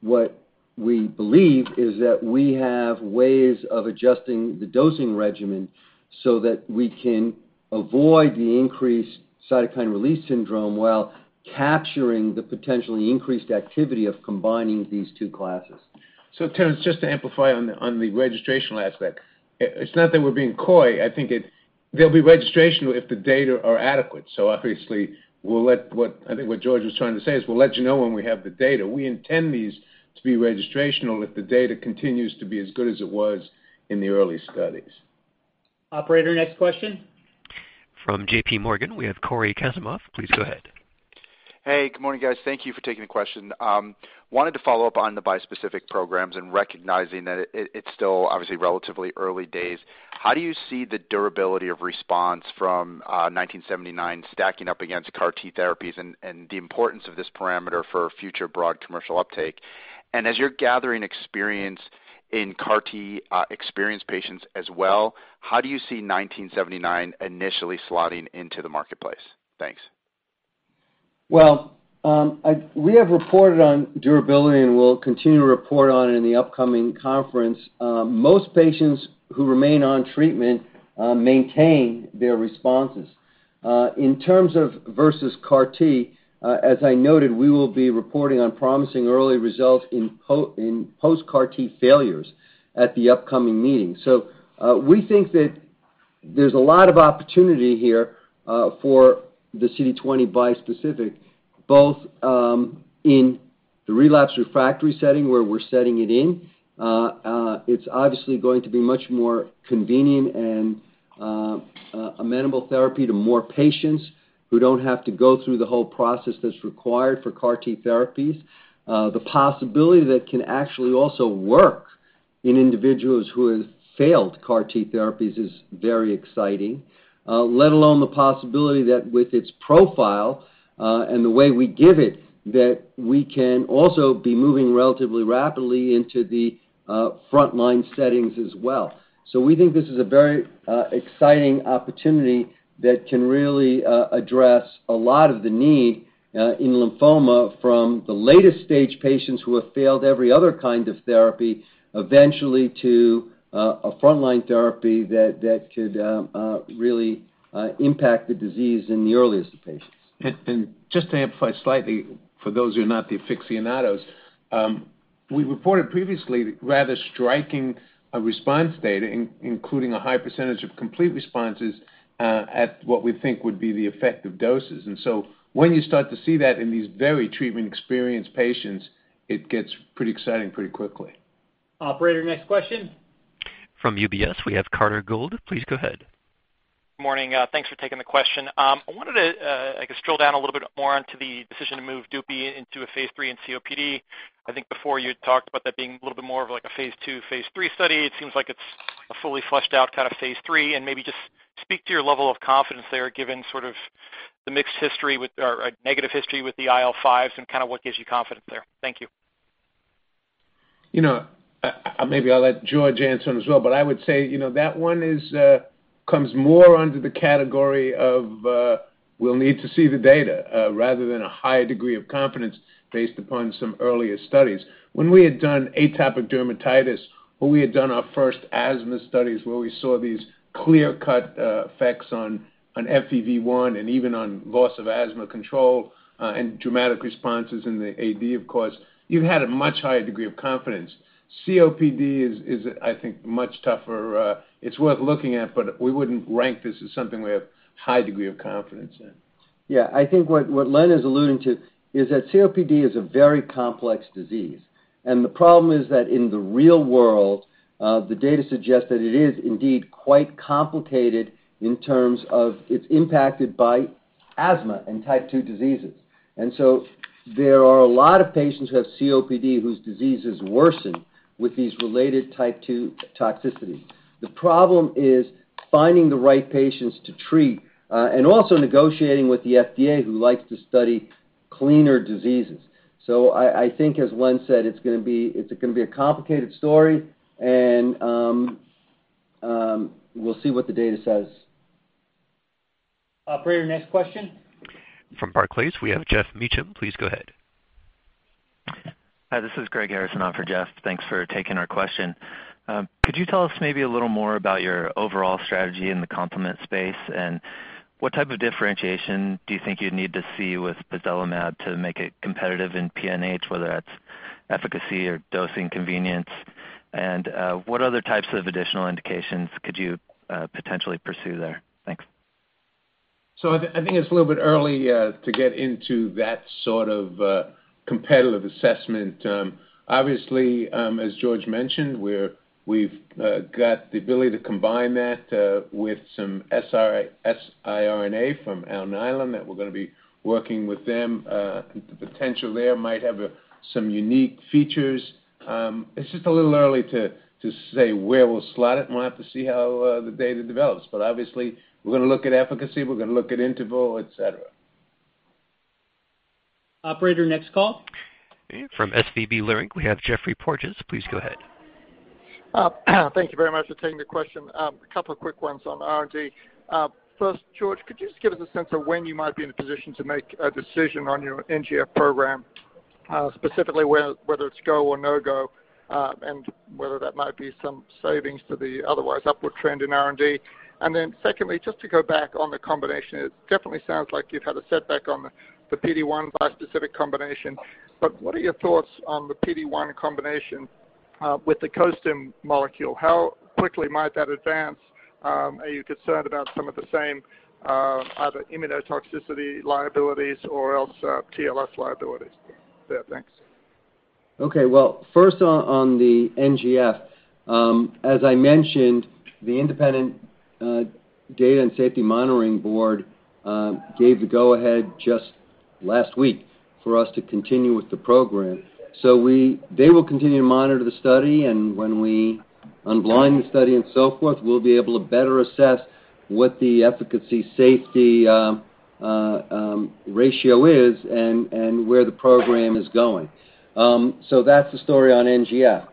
What we believe is that we have ways of adjusting the dosing regimen so that we can avoid the increased cytokine release syndrome while capturing the potentially increased activity of combining these two classes. Terence, just to amplify on the registrational aspect. It's not that we're being coy. I think they'll be registrational if the data are adequate. Obviously, I think what George was trying to say is we'll let you know when we have the data. We intend these to be registrational if the data continues to be as good as it was in the early studies. Operator, next question. From J.P. Morgan, we have Cory Kasimov. Please go ahead. Hey, good morning, guys. Thank you for taking the question. Wanted to follow up on the bispecific programs and recognizing that it's still obviously relatively early days. How do you see the durability of response from 1979 stacking up against CAR T therapies and the importance of this parameter for future broad commercial uptake? As you're gathering experience in CAR T experienced patients as well, how do you see 1979 initially slotting into the marketplace? Thanks. Well, we have reported on durability. We'll continue to report on it in the upcoming conference. Most patients who remain on treatment maintain their responses. In terms of versus CAR T, as I noted, we will be reporting on promising early results in post-CAR T failures at the upcoming meeting. We think that there's a lot of opportunity here for the CD20 bispecific, both in the relapse refractory setting where we're setting it in. It's obviously going to be much more convenient and amenable therapy to more patients who don't have to go through the whole process that's required for CAR T therapies. The possibility that it can actually also work in individuals who have failed CAR T therapies is very exciting. Let alone the possibility that with its profile, and the way we give it, that we can also be moving relatively rapidly into the frontline settings as well. We think this is a very exciting opportunity that can really address a lot of the need in lymphoma from the later stage patients who have failed every other kind of therapy, eventually to a frontline therapy that could really impact the disease in the earliest of patients. Just to amplify slightly for those who are not the aficionados, we reported previously rather striking response data, including a high % of complete responses at what we think would be the effective doses. When you start to see that in these very treatment-experienced patients, it gets pretty exciting pretty quickly. Operator, next question. From UBS, we have Carter Gould. Please go ahead. Morning. Thanks for taking the question. I wanted to scroll down a little bit more onto the decision to move DUPIXENT into a phase III in COPD. I think before you had talked about that being a little bit more of a phase II, phase III study. It seems like it's a fully fleshed out kind of phase III, and maybe just speak to your level of confidence there, given sort of the mixed history with or negative history with the IL-5s, and what gives you confidence there? Thank you. Maybe I'll let George answer as well, I would say, that one comes more under the category of we'll need to see the data rather than a high degree of confidence based upon some earlier studies. When we had done atopic dermatitis, when we had done our first asthma studies, where we saw these clear-cut effects on FEV1 and even on loss of asthma control and dramatic responses in the AD, of course, you had a much higher degree of confidence. COPD is, I think, much tougher. It's worth looking at, we wouldn't rank this as something we have a high degree of confidence in. Yeah. I think what Len is alluding to is that COPD is a very complex disease, the problem is that in the real world, the data suggests that it is indeed quite complicated in terms of it's impacted by asthma and type 2 diseases. There are a lot of patients who have COPD whose diseases worsen with these related type 2 toxicities. The problem is finding the right patients to treat, and also negotiating with the FDA, who likes to study cleaner diseases. I think, as Len said, it's going to be a complicated story, and we'll see what the data says. Operator, next question. From Barclays, we have Geoff Meacham. Please go ahead. Hi, this is Greg Harrison on for Geoff. Thanks for taking our question. Could you tell us maybe a little more about your overall strategy in the complement space, and what type of differentiation do you think you'd need to see with pozelimab to make it competitive in PNH, whether that's efficacy or dosing convenience? What other types of additional indications could you potentially pursue there? Thanks. I think it's a little bit early to get into that sort of competitive assessment. Obviously, as George mentioned, we've got the ability to combine that with some siRNA from Alnylam that we're going to be working with them. The potential there might have some unique features. It's just a little early to say where we'll slot it, and we'll have to see how the data develops. Obviously, we're going to look at efficacy, we're going to look at interval, et cetera. Operator, next call. From SVB Leerink, we have Geoffrey Porges. Please go ahead. Thank you very much for taking the question. A couple of quick ones on R&D. First, George, could you just give us a sense of when you might be in a position to make a decision on your NGF program, specifically whether it's go or no-go, and whether that might be some savings to the otherwise upward trend in R&D? Secondly, just to go back on the combination, it definitely sounds like you've had a setback on the PD-1 bispecific combination. What are your thoughts on the PD-1 combination with the costim molecule? How quickly might that advance? Are you concerned about some of the same either immunotoxicity liabilities or else TLS liabilities there? Thanks. Okay. Well, first on the NGF. As I mentioned, the independent data and safety monitoring board gave the go-ahead just last week for us to continue with the program. They will continue to monitor the study, and when we unblind the study and so forth, we'll be able to better assess what the efficacy-safety ratio is and where the program is going. That's the story on NGF.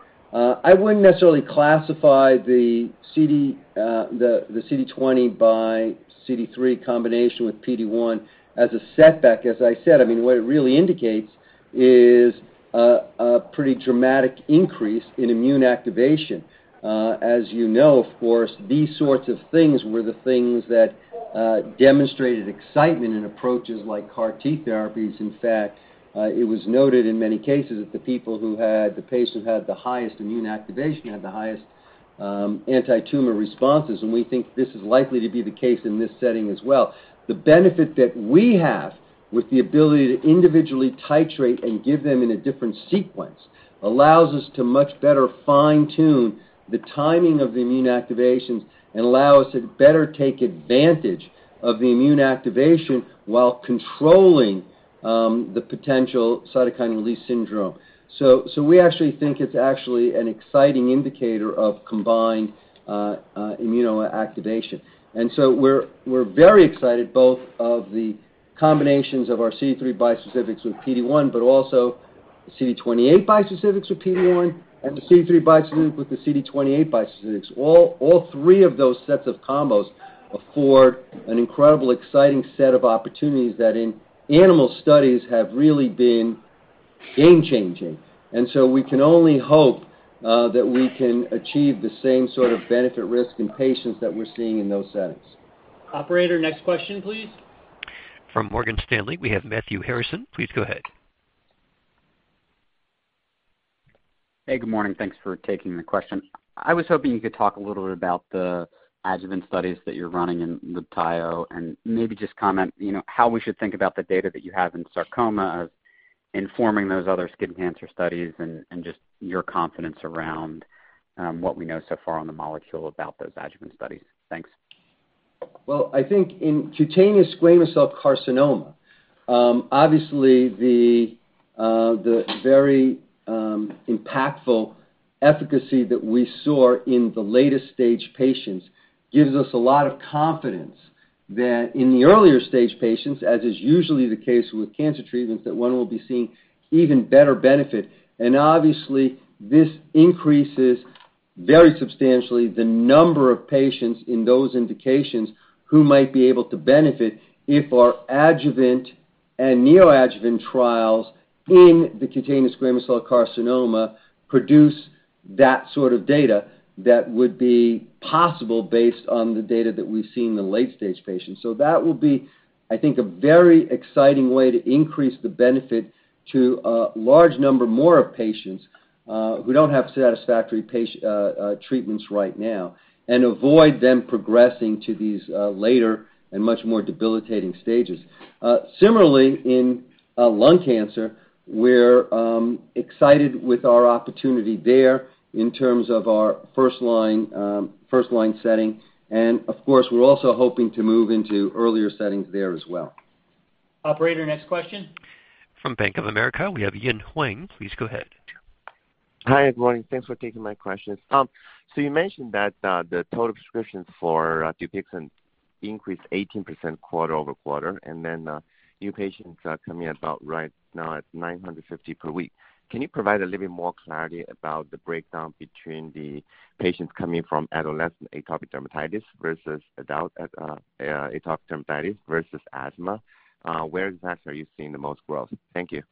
I wouldn't necessarily classify the CD20 by CD3 combination with PD-1 as a setback. What it really indicates is a pretty dramatic increase in immune activation. You know, of course, these sorts of things were the things that demonstrated excitement in approaches like CAR T therapies. In fact, it was noted in many cases that the patients who had the highest immune activation had the highest anti-tumor responses, and we think this is likely to be the case in this setting as well. The benefit that we have with the ability to individually titrate and give them in a different sequence allows us to much better fine-tune the timing of the immune activations and allow us to better take advantage of the immune activation while controlling the potential cytokine release syndrome. We actually think it's actually an exciting indicator of combined immunoactivation. We're very excited both of the combinations of our CD3 bispecifics with PD-1, but also the CD28 bispecifics with PD-1 and the CD3 bispecific with the CD28 bispecifics. All three of those sets of combos afford an incredible, exciting set of opportunities that in animal studies have really been game-changing. We can only hope that we can achieve the same sort of benefit risk in patients that we're seeing in those settings. Operator, next question, please. From Morgan Stanley, we have Matthew Harrison. Please go ahead. Hey, good morning. Thanks for taking the question. I was hoping you could talk a little bit about the adjuvant studies that you're running in the TIO and maybe just comment how we should think about the data that you have in carcinoma informing those other skin cancer studies and just your confidence around what we know so far on the molecule about those adjuvant studies. Thanks. Well, I think in cutaneous squamous cell carcinoma, obviously the very impactful efficacy that we saw in the latest stage patients gives us a lot of confidence that in the earlier stage patients, as is usually the case with cancer treatments, that one will be seeing even better benefit. Obviously, this increases very substantially the number of patients in those indications who might be able to benefit if our adjuvant and neoadjuvant trials in the cutaneous squamous cell carcinoma produce that sort of data that would be possible based on the data that we've seen in the late-stage patients. That will be, I think, a very exciting way to increase the benefit to a large number more of patients who don't have satisfactory treatments right now and avoid them progressing to these later and much more debilitating stages. Similarly, in lung cancer, we're excited with our opportunity there in terms of our first-line setting. Of course, we're also hoping to move into earlier settings there as well. Operator, next question. From Bank of America, we have Ying Huang. Please go ahead. Hi, everyone. Thanks for taking my questions. You mentioned that the total prescriptions for DUPIXENT increased 18% quarter-over-quarter, new patients coming in about right now at 950 per week. Can you provide a little bit more clarity about the breakdown between the patients coming from adolescent atopic dermatitis versus adult atopic dermatitis versus asthma? Where exactly are you seeing the most growth? Thank you.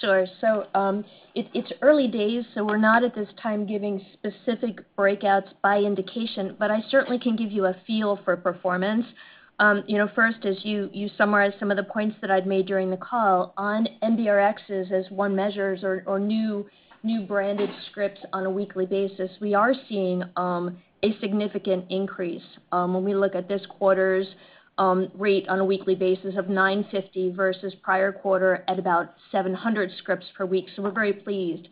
Sure. It's early days, we're not at this time giving specific breakouts by indication, but I certainly can give you a feel for performance. First, as you summarized some of the points that I'd made during the call, on NBRx as one measures or new branded scripts on a weekly basis, we are seeing a significant increase when we look at this quarter's rate on a weekly basis of 950 versus prior quarter at about 700 scripts per week. We're very pleased.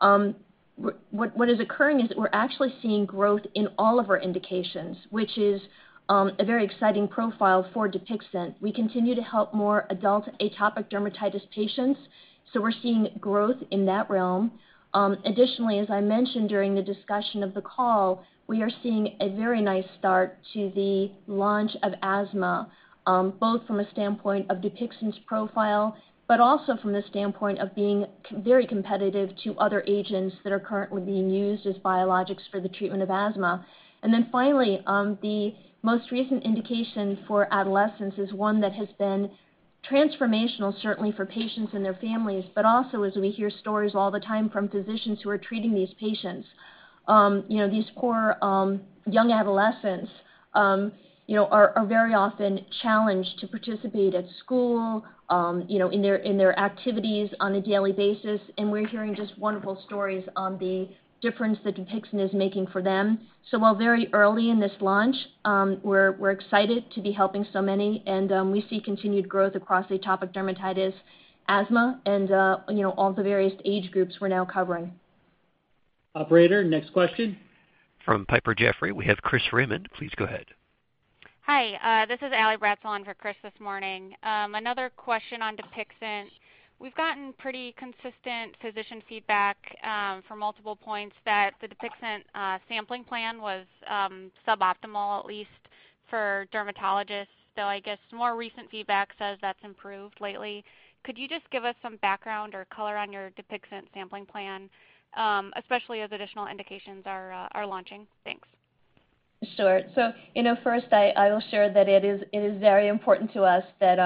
What is occurring is that we're actually seeing growth in all of our indications, which is a very exciting profile for DUPIXENT. We continue to help more adult atopic dermatitis patients, we're seeing growth in that realm. Additionally, as I mentioned during the discussion of the call, we are seeing a very nice start to the launch of asthma, both from a standpoint of DUPIXENT's profile, but also from the standpoint of being very competitive to other agents that are currently being used as biologics for the treatment of asthma. Finally, the most recent indication for adolescents is one that has been transformational, certainly for patients and their families, but also as we hear stories all the time from physicians who are treating these patients. These poor young adolescents are very often challenged to participate at school, in their activities on a daily basis, and we're hearing just wonderful stories on the difference that DUPIXENT is making for them. While very early in this launch, we're excited to be helping so many, and we see continued growth across atopic dermatitis, asthma, and all the various age groups we're now covering. Operator, next question. From Piper Jaffray, we have Chris Raymond. Please go ahead. Hi, this is Allie Bratzel for Chris this morning. Another question on DUPIXENT. We've gotten pretty consistent physician feedback from multiple points that the DUPIXENT sampling plan was suboptimal, at least for dermatologists, though I guess more recent feedback says that's improved lately. Could you just give us some background or color on your DUPIXENT sampling plan, especially as additional indications are launching? Thanks. Sure. First, I will share that it is very important to us that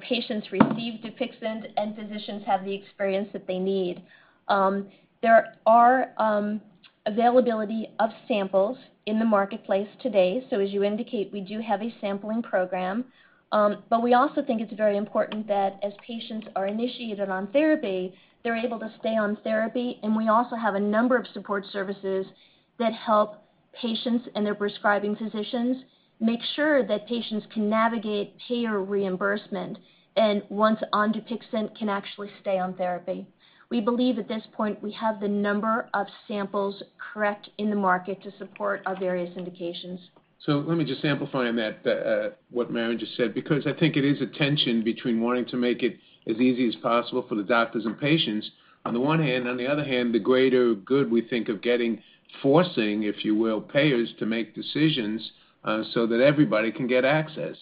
patients receive DUPIXENT and physicians have the experience that they need. There are availability of samples in the marketplace today. As you indicate, we do have a sampling program, but we also think it's very important that as patients are initiated on therapy, they're able to stay on therapy. We also have a number of support services that help patients and their prescribing physicians make sure that patients can navigate payer reimbursement and once on DUPIXENT, can actually stay on therapy. We believe at this point we have the number of samples correct in the market to support our various indications. Let me just amplify on what Mary just said, because I think it is a tension between wanting to make it as easy as possible for the doctors and patients on the one hand, on the other hand, the greater good we think of getting, forcing, if you will, payers to make decisions that everybody can get access.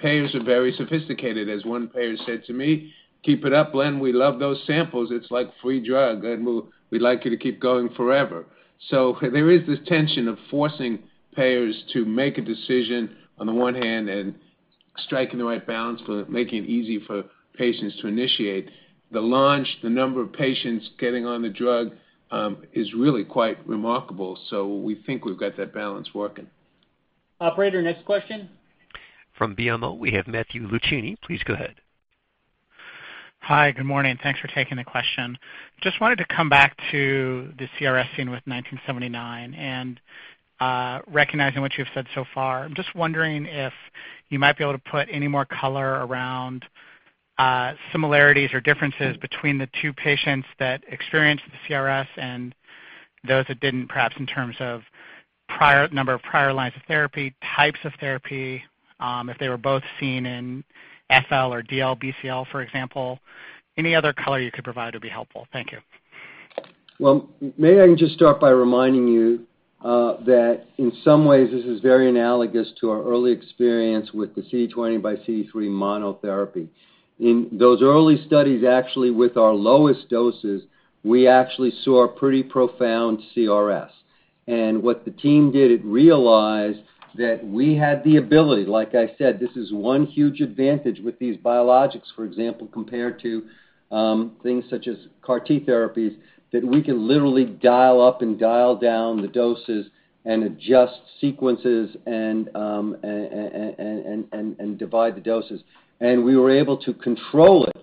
Payers are very sophisticated. As one payer said to me, "Keep it up, Len. We love those samples. It's like free drug, and we'd like you to keep going forever." There is this tension of forcing payers to make a decision on the one hand and striking the right balance for making it easy for patients to initiate. The launch, the number of patients getting on the drug is really quite remarkable. We think we've got that balance working. Operator, next question. From BMO, we have Matthew Luchini. Please go ahead. Hi, good morning. Thanks for taking the question. Just wanted to come back to the CRS seen with 1979 and recognizing what you've said so far. I'm just wondering if you might be able to put any more color around similarities or differences between the two patients that experienced the CRS and those that didn't, perhaps in terms of number of prior lines of therapy, types of therapy, if they were both seen in FL or DLBCL, for example. Any other color you could provide would be helpful. Thank you. Well, maybe I can just start by reminding you that in some ways, this is very analogous to our early experience with the CD20 by CD3 monotherapy. In those early studies, actually, with our lowest doses, we actually saw pretty profound CRS. What the team did, it realized that we had the ability, like I said, this is one huge advantage with these biologics, for example, compared to things such as CAR T therapies, that we can literally dial up and dial down the doses and adjust sequences and divide the doses. We were able to control it.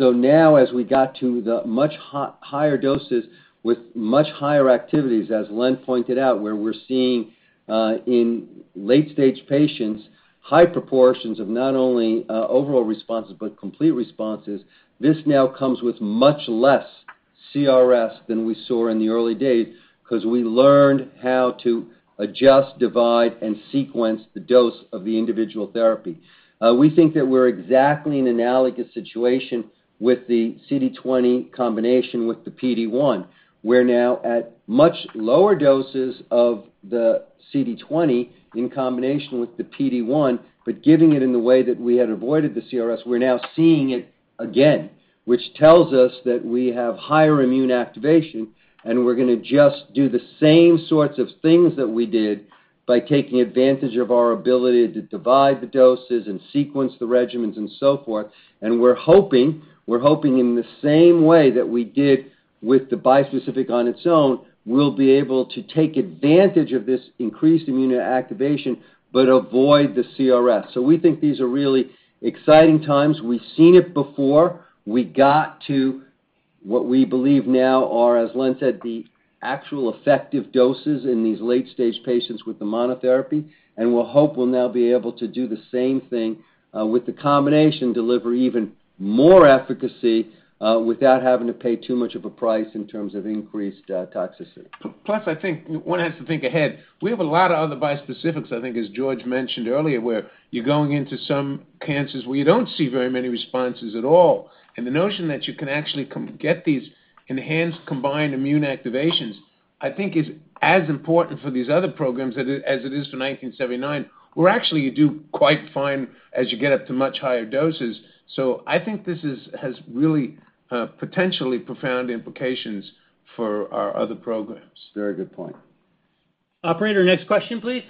Now, as we got to the much higher doses with much higher activities, as Len pointed out, where we're seeing in late-stage patients, high proportions of not only overall responses but complete responses, this now comes with much less CRS than we saw in the early days because we learned how to adjust, divide, and sequence the dose of the individual therapy. We think that we're exactly in an analogous situation with the CD20 combination with the PD-1. We're now at much lower doses of the CD20 in combination with the PD-1, but giving it in the way that we had avoided the CRS. We're now seeing it again, which tells us that we have higher immune activation. We're going to just do the same sorts of things that we did by taking advantage of our ability to divide the doses and sequence the regimens and so forth. We're hoping in the same way that we did with the bispecific on its own, we'll be able to take advantage of this increased immune activation but avoid the CRS. We think these are really exciting times. We've seen it before. We got to what we believe now are, as Len said, the actual effective doses in these late-stage patients with the monotherapy, and we'll hope we'll now be able to do the same thing with the combination, deliver even more efficacy without having to pay too much of a price in terms of increased toxicity. I think one has to think ahead. We have a lot of other bispecifics, I think, as George mentioned earlier, where you're going into some cancers where you don't see very many responses at all. The notion that you can actually get these enhanced combined immune activations, I think is as important for these other programs as it is for 1979, where actually you do quite fine as you get up to much higher doses. I think this has really potentially profound implications for our other programs. Very good point. Operator, next question, please.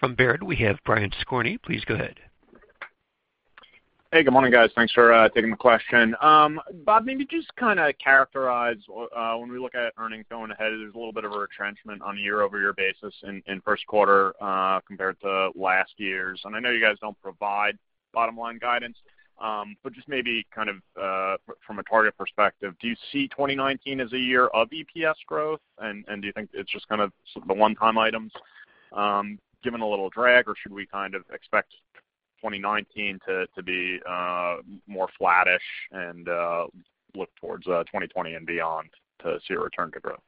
From Baird, we have Brian Skorney. Please go ahead. Hey, good morning, guys. Thanks for taking the question. Bob, maybe just characterize when we look at earnings going ahead, there's a little bit of a retrenchment on a year-over-year basis in first quarter compared to last year's. I know you guys don't provide bottom-line guidance, but just maybe from a target perspective, do you see 2019 as a year of EPS growth? Do you think it's just the one-time items giving a little drag, or should we expect 2019 to be more flattish and look towards 2020 and beyond to see a return to growth?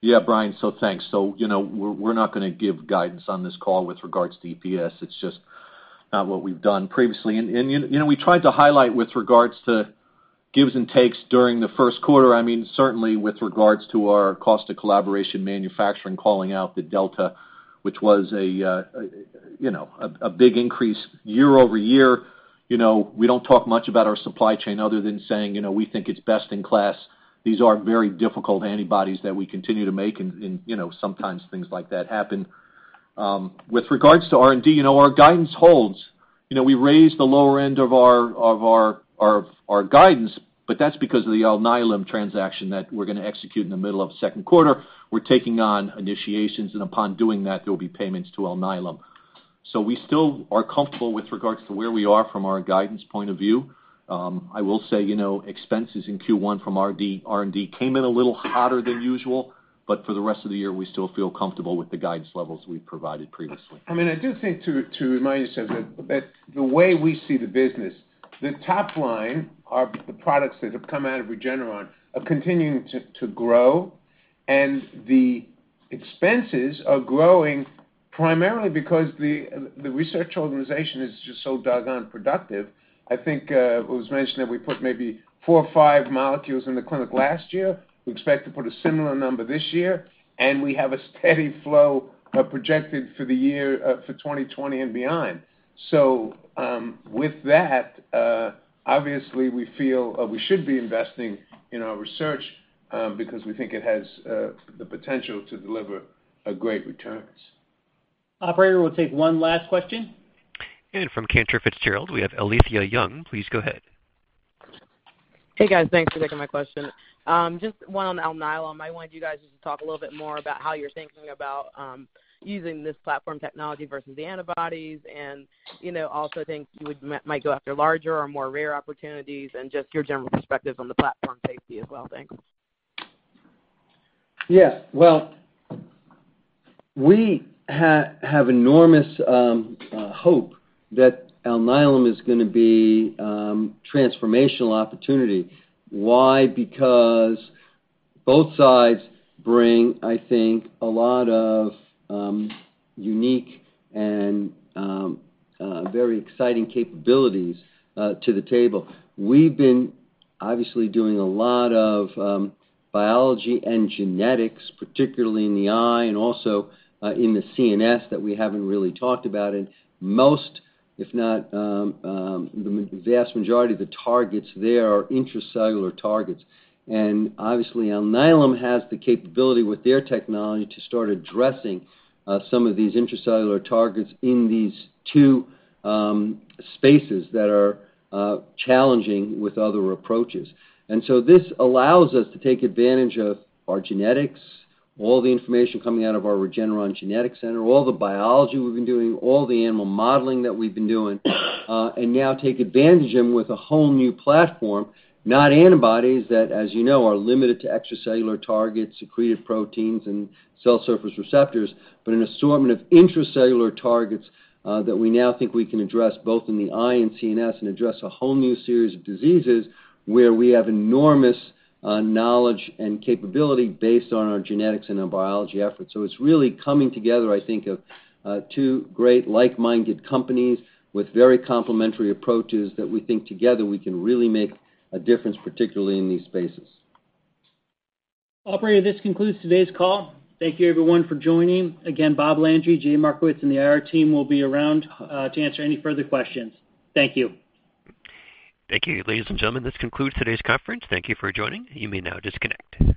Yeah, Brian. Thanks. We're not going to give guidance on this call with regards to EPS. It's just not what we've done previously. We tried to highlight with regards to gives and takes during the first quarter, certainly with regards to our cost of collaboration manufacturing, calling out the delta, which was a big increase year-over-year. We don't talk much about our supply chain other than saying, we think it's best in class. These are very difficult antibodies that we continue to make, and sometimes things like that happen. With regards to R&D, our guidance holds. We raised the lower end of our guidance, but that's because of the Alnylam transaction that we're going to execute in the middle of the second quarter. We're taking on initiations, and upon doing that, there will be payments to Alnylam. We still are comfortable with regards to where we are from our guidance point of view. I will say, expenses in Q1 from R&D came in a little hotter than usual, for the rest of the year, we still feel comfortable with the guidance levels we've provided previously. I do think, to remind ourselves that the way we see the business, the top line of the products that have come out of Regeneron are continuing to grow, and the expenses are growing primarily because the research organization is just so doggone productive. I think it was mentioned that we put maybe four or five molecules in the clinic last year. We expect to put a similar number this year, and we have a steady flow projected for the year for 2020 and beyond. With that, obviously, we feel we should be investing in our research because we think it has the potential to deliver great returns. Operator, we'll take one last question. From Cantor Fitzgerald, we have Alethia Young. Please go ahead. Hey, guys. Thanks for taking my question. Just one on Alnylam. I wonder if you guys could just talk a little bit more about how you're thinking about using this platform technology versus the antibodies and also things you might go after larger or more rare opportunities and just your general perspective on the platform safety as well. Thanks. Yeah. Well, we have enormous hope that Alnylam is going to be a transformational opportunity. Why? Because both sides bring, I think, a lot of unique and very exciting capabilities to the table. We've been obviously doing a lot of biology and genetics, particularly in the eye and also in the CNS, that we haven't really talked about, and most, if not the vast majority of the targets there are intracellular targets. Obviously, Alnylam has the capability with their technology to start addressing some of these intracellular targets in these two spaces that are challenging with other approaches. This allows us to take advantage of our genetics, all the information coming out of our Regeneron Genetics Center, all the biology we've been doing, all the animal modeling that we've been doing, and now take advantage of with a whole new platform, not antibodies that, as you know, are limited to extracellular targets, secreted proteins, and cell surface receptors, but an assortment of intracellular targets that we now think we can address both in the eye and CNS and address a whole new series of diseases where we have enormous knowledge and capability based on our genetics and our biology efforts. It's really coming together, I think, of two great like-minded companies with very complementary approaches that we think together we can really make a difference, particularly in these spaces. Operator, this concludes today's call. Thank you, everyone, for joining. Again, Robert Landry, JD Markowitz, and the IR team will be around to answer any further questions. Thank you. Thank you. Ladies and gentlemen, this concludes today's conference. Thank you for joining. You may now disconnect.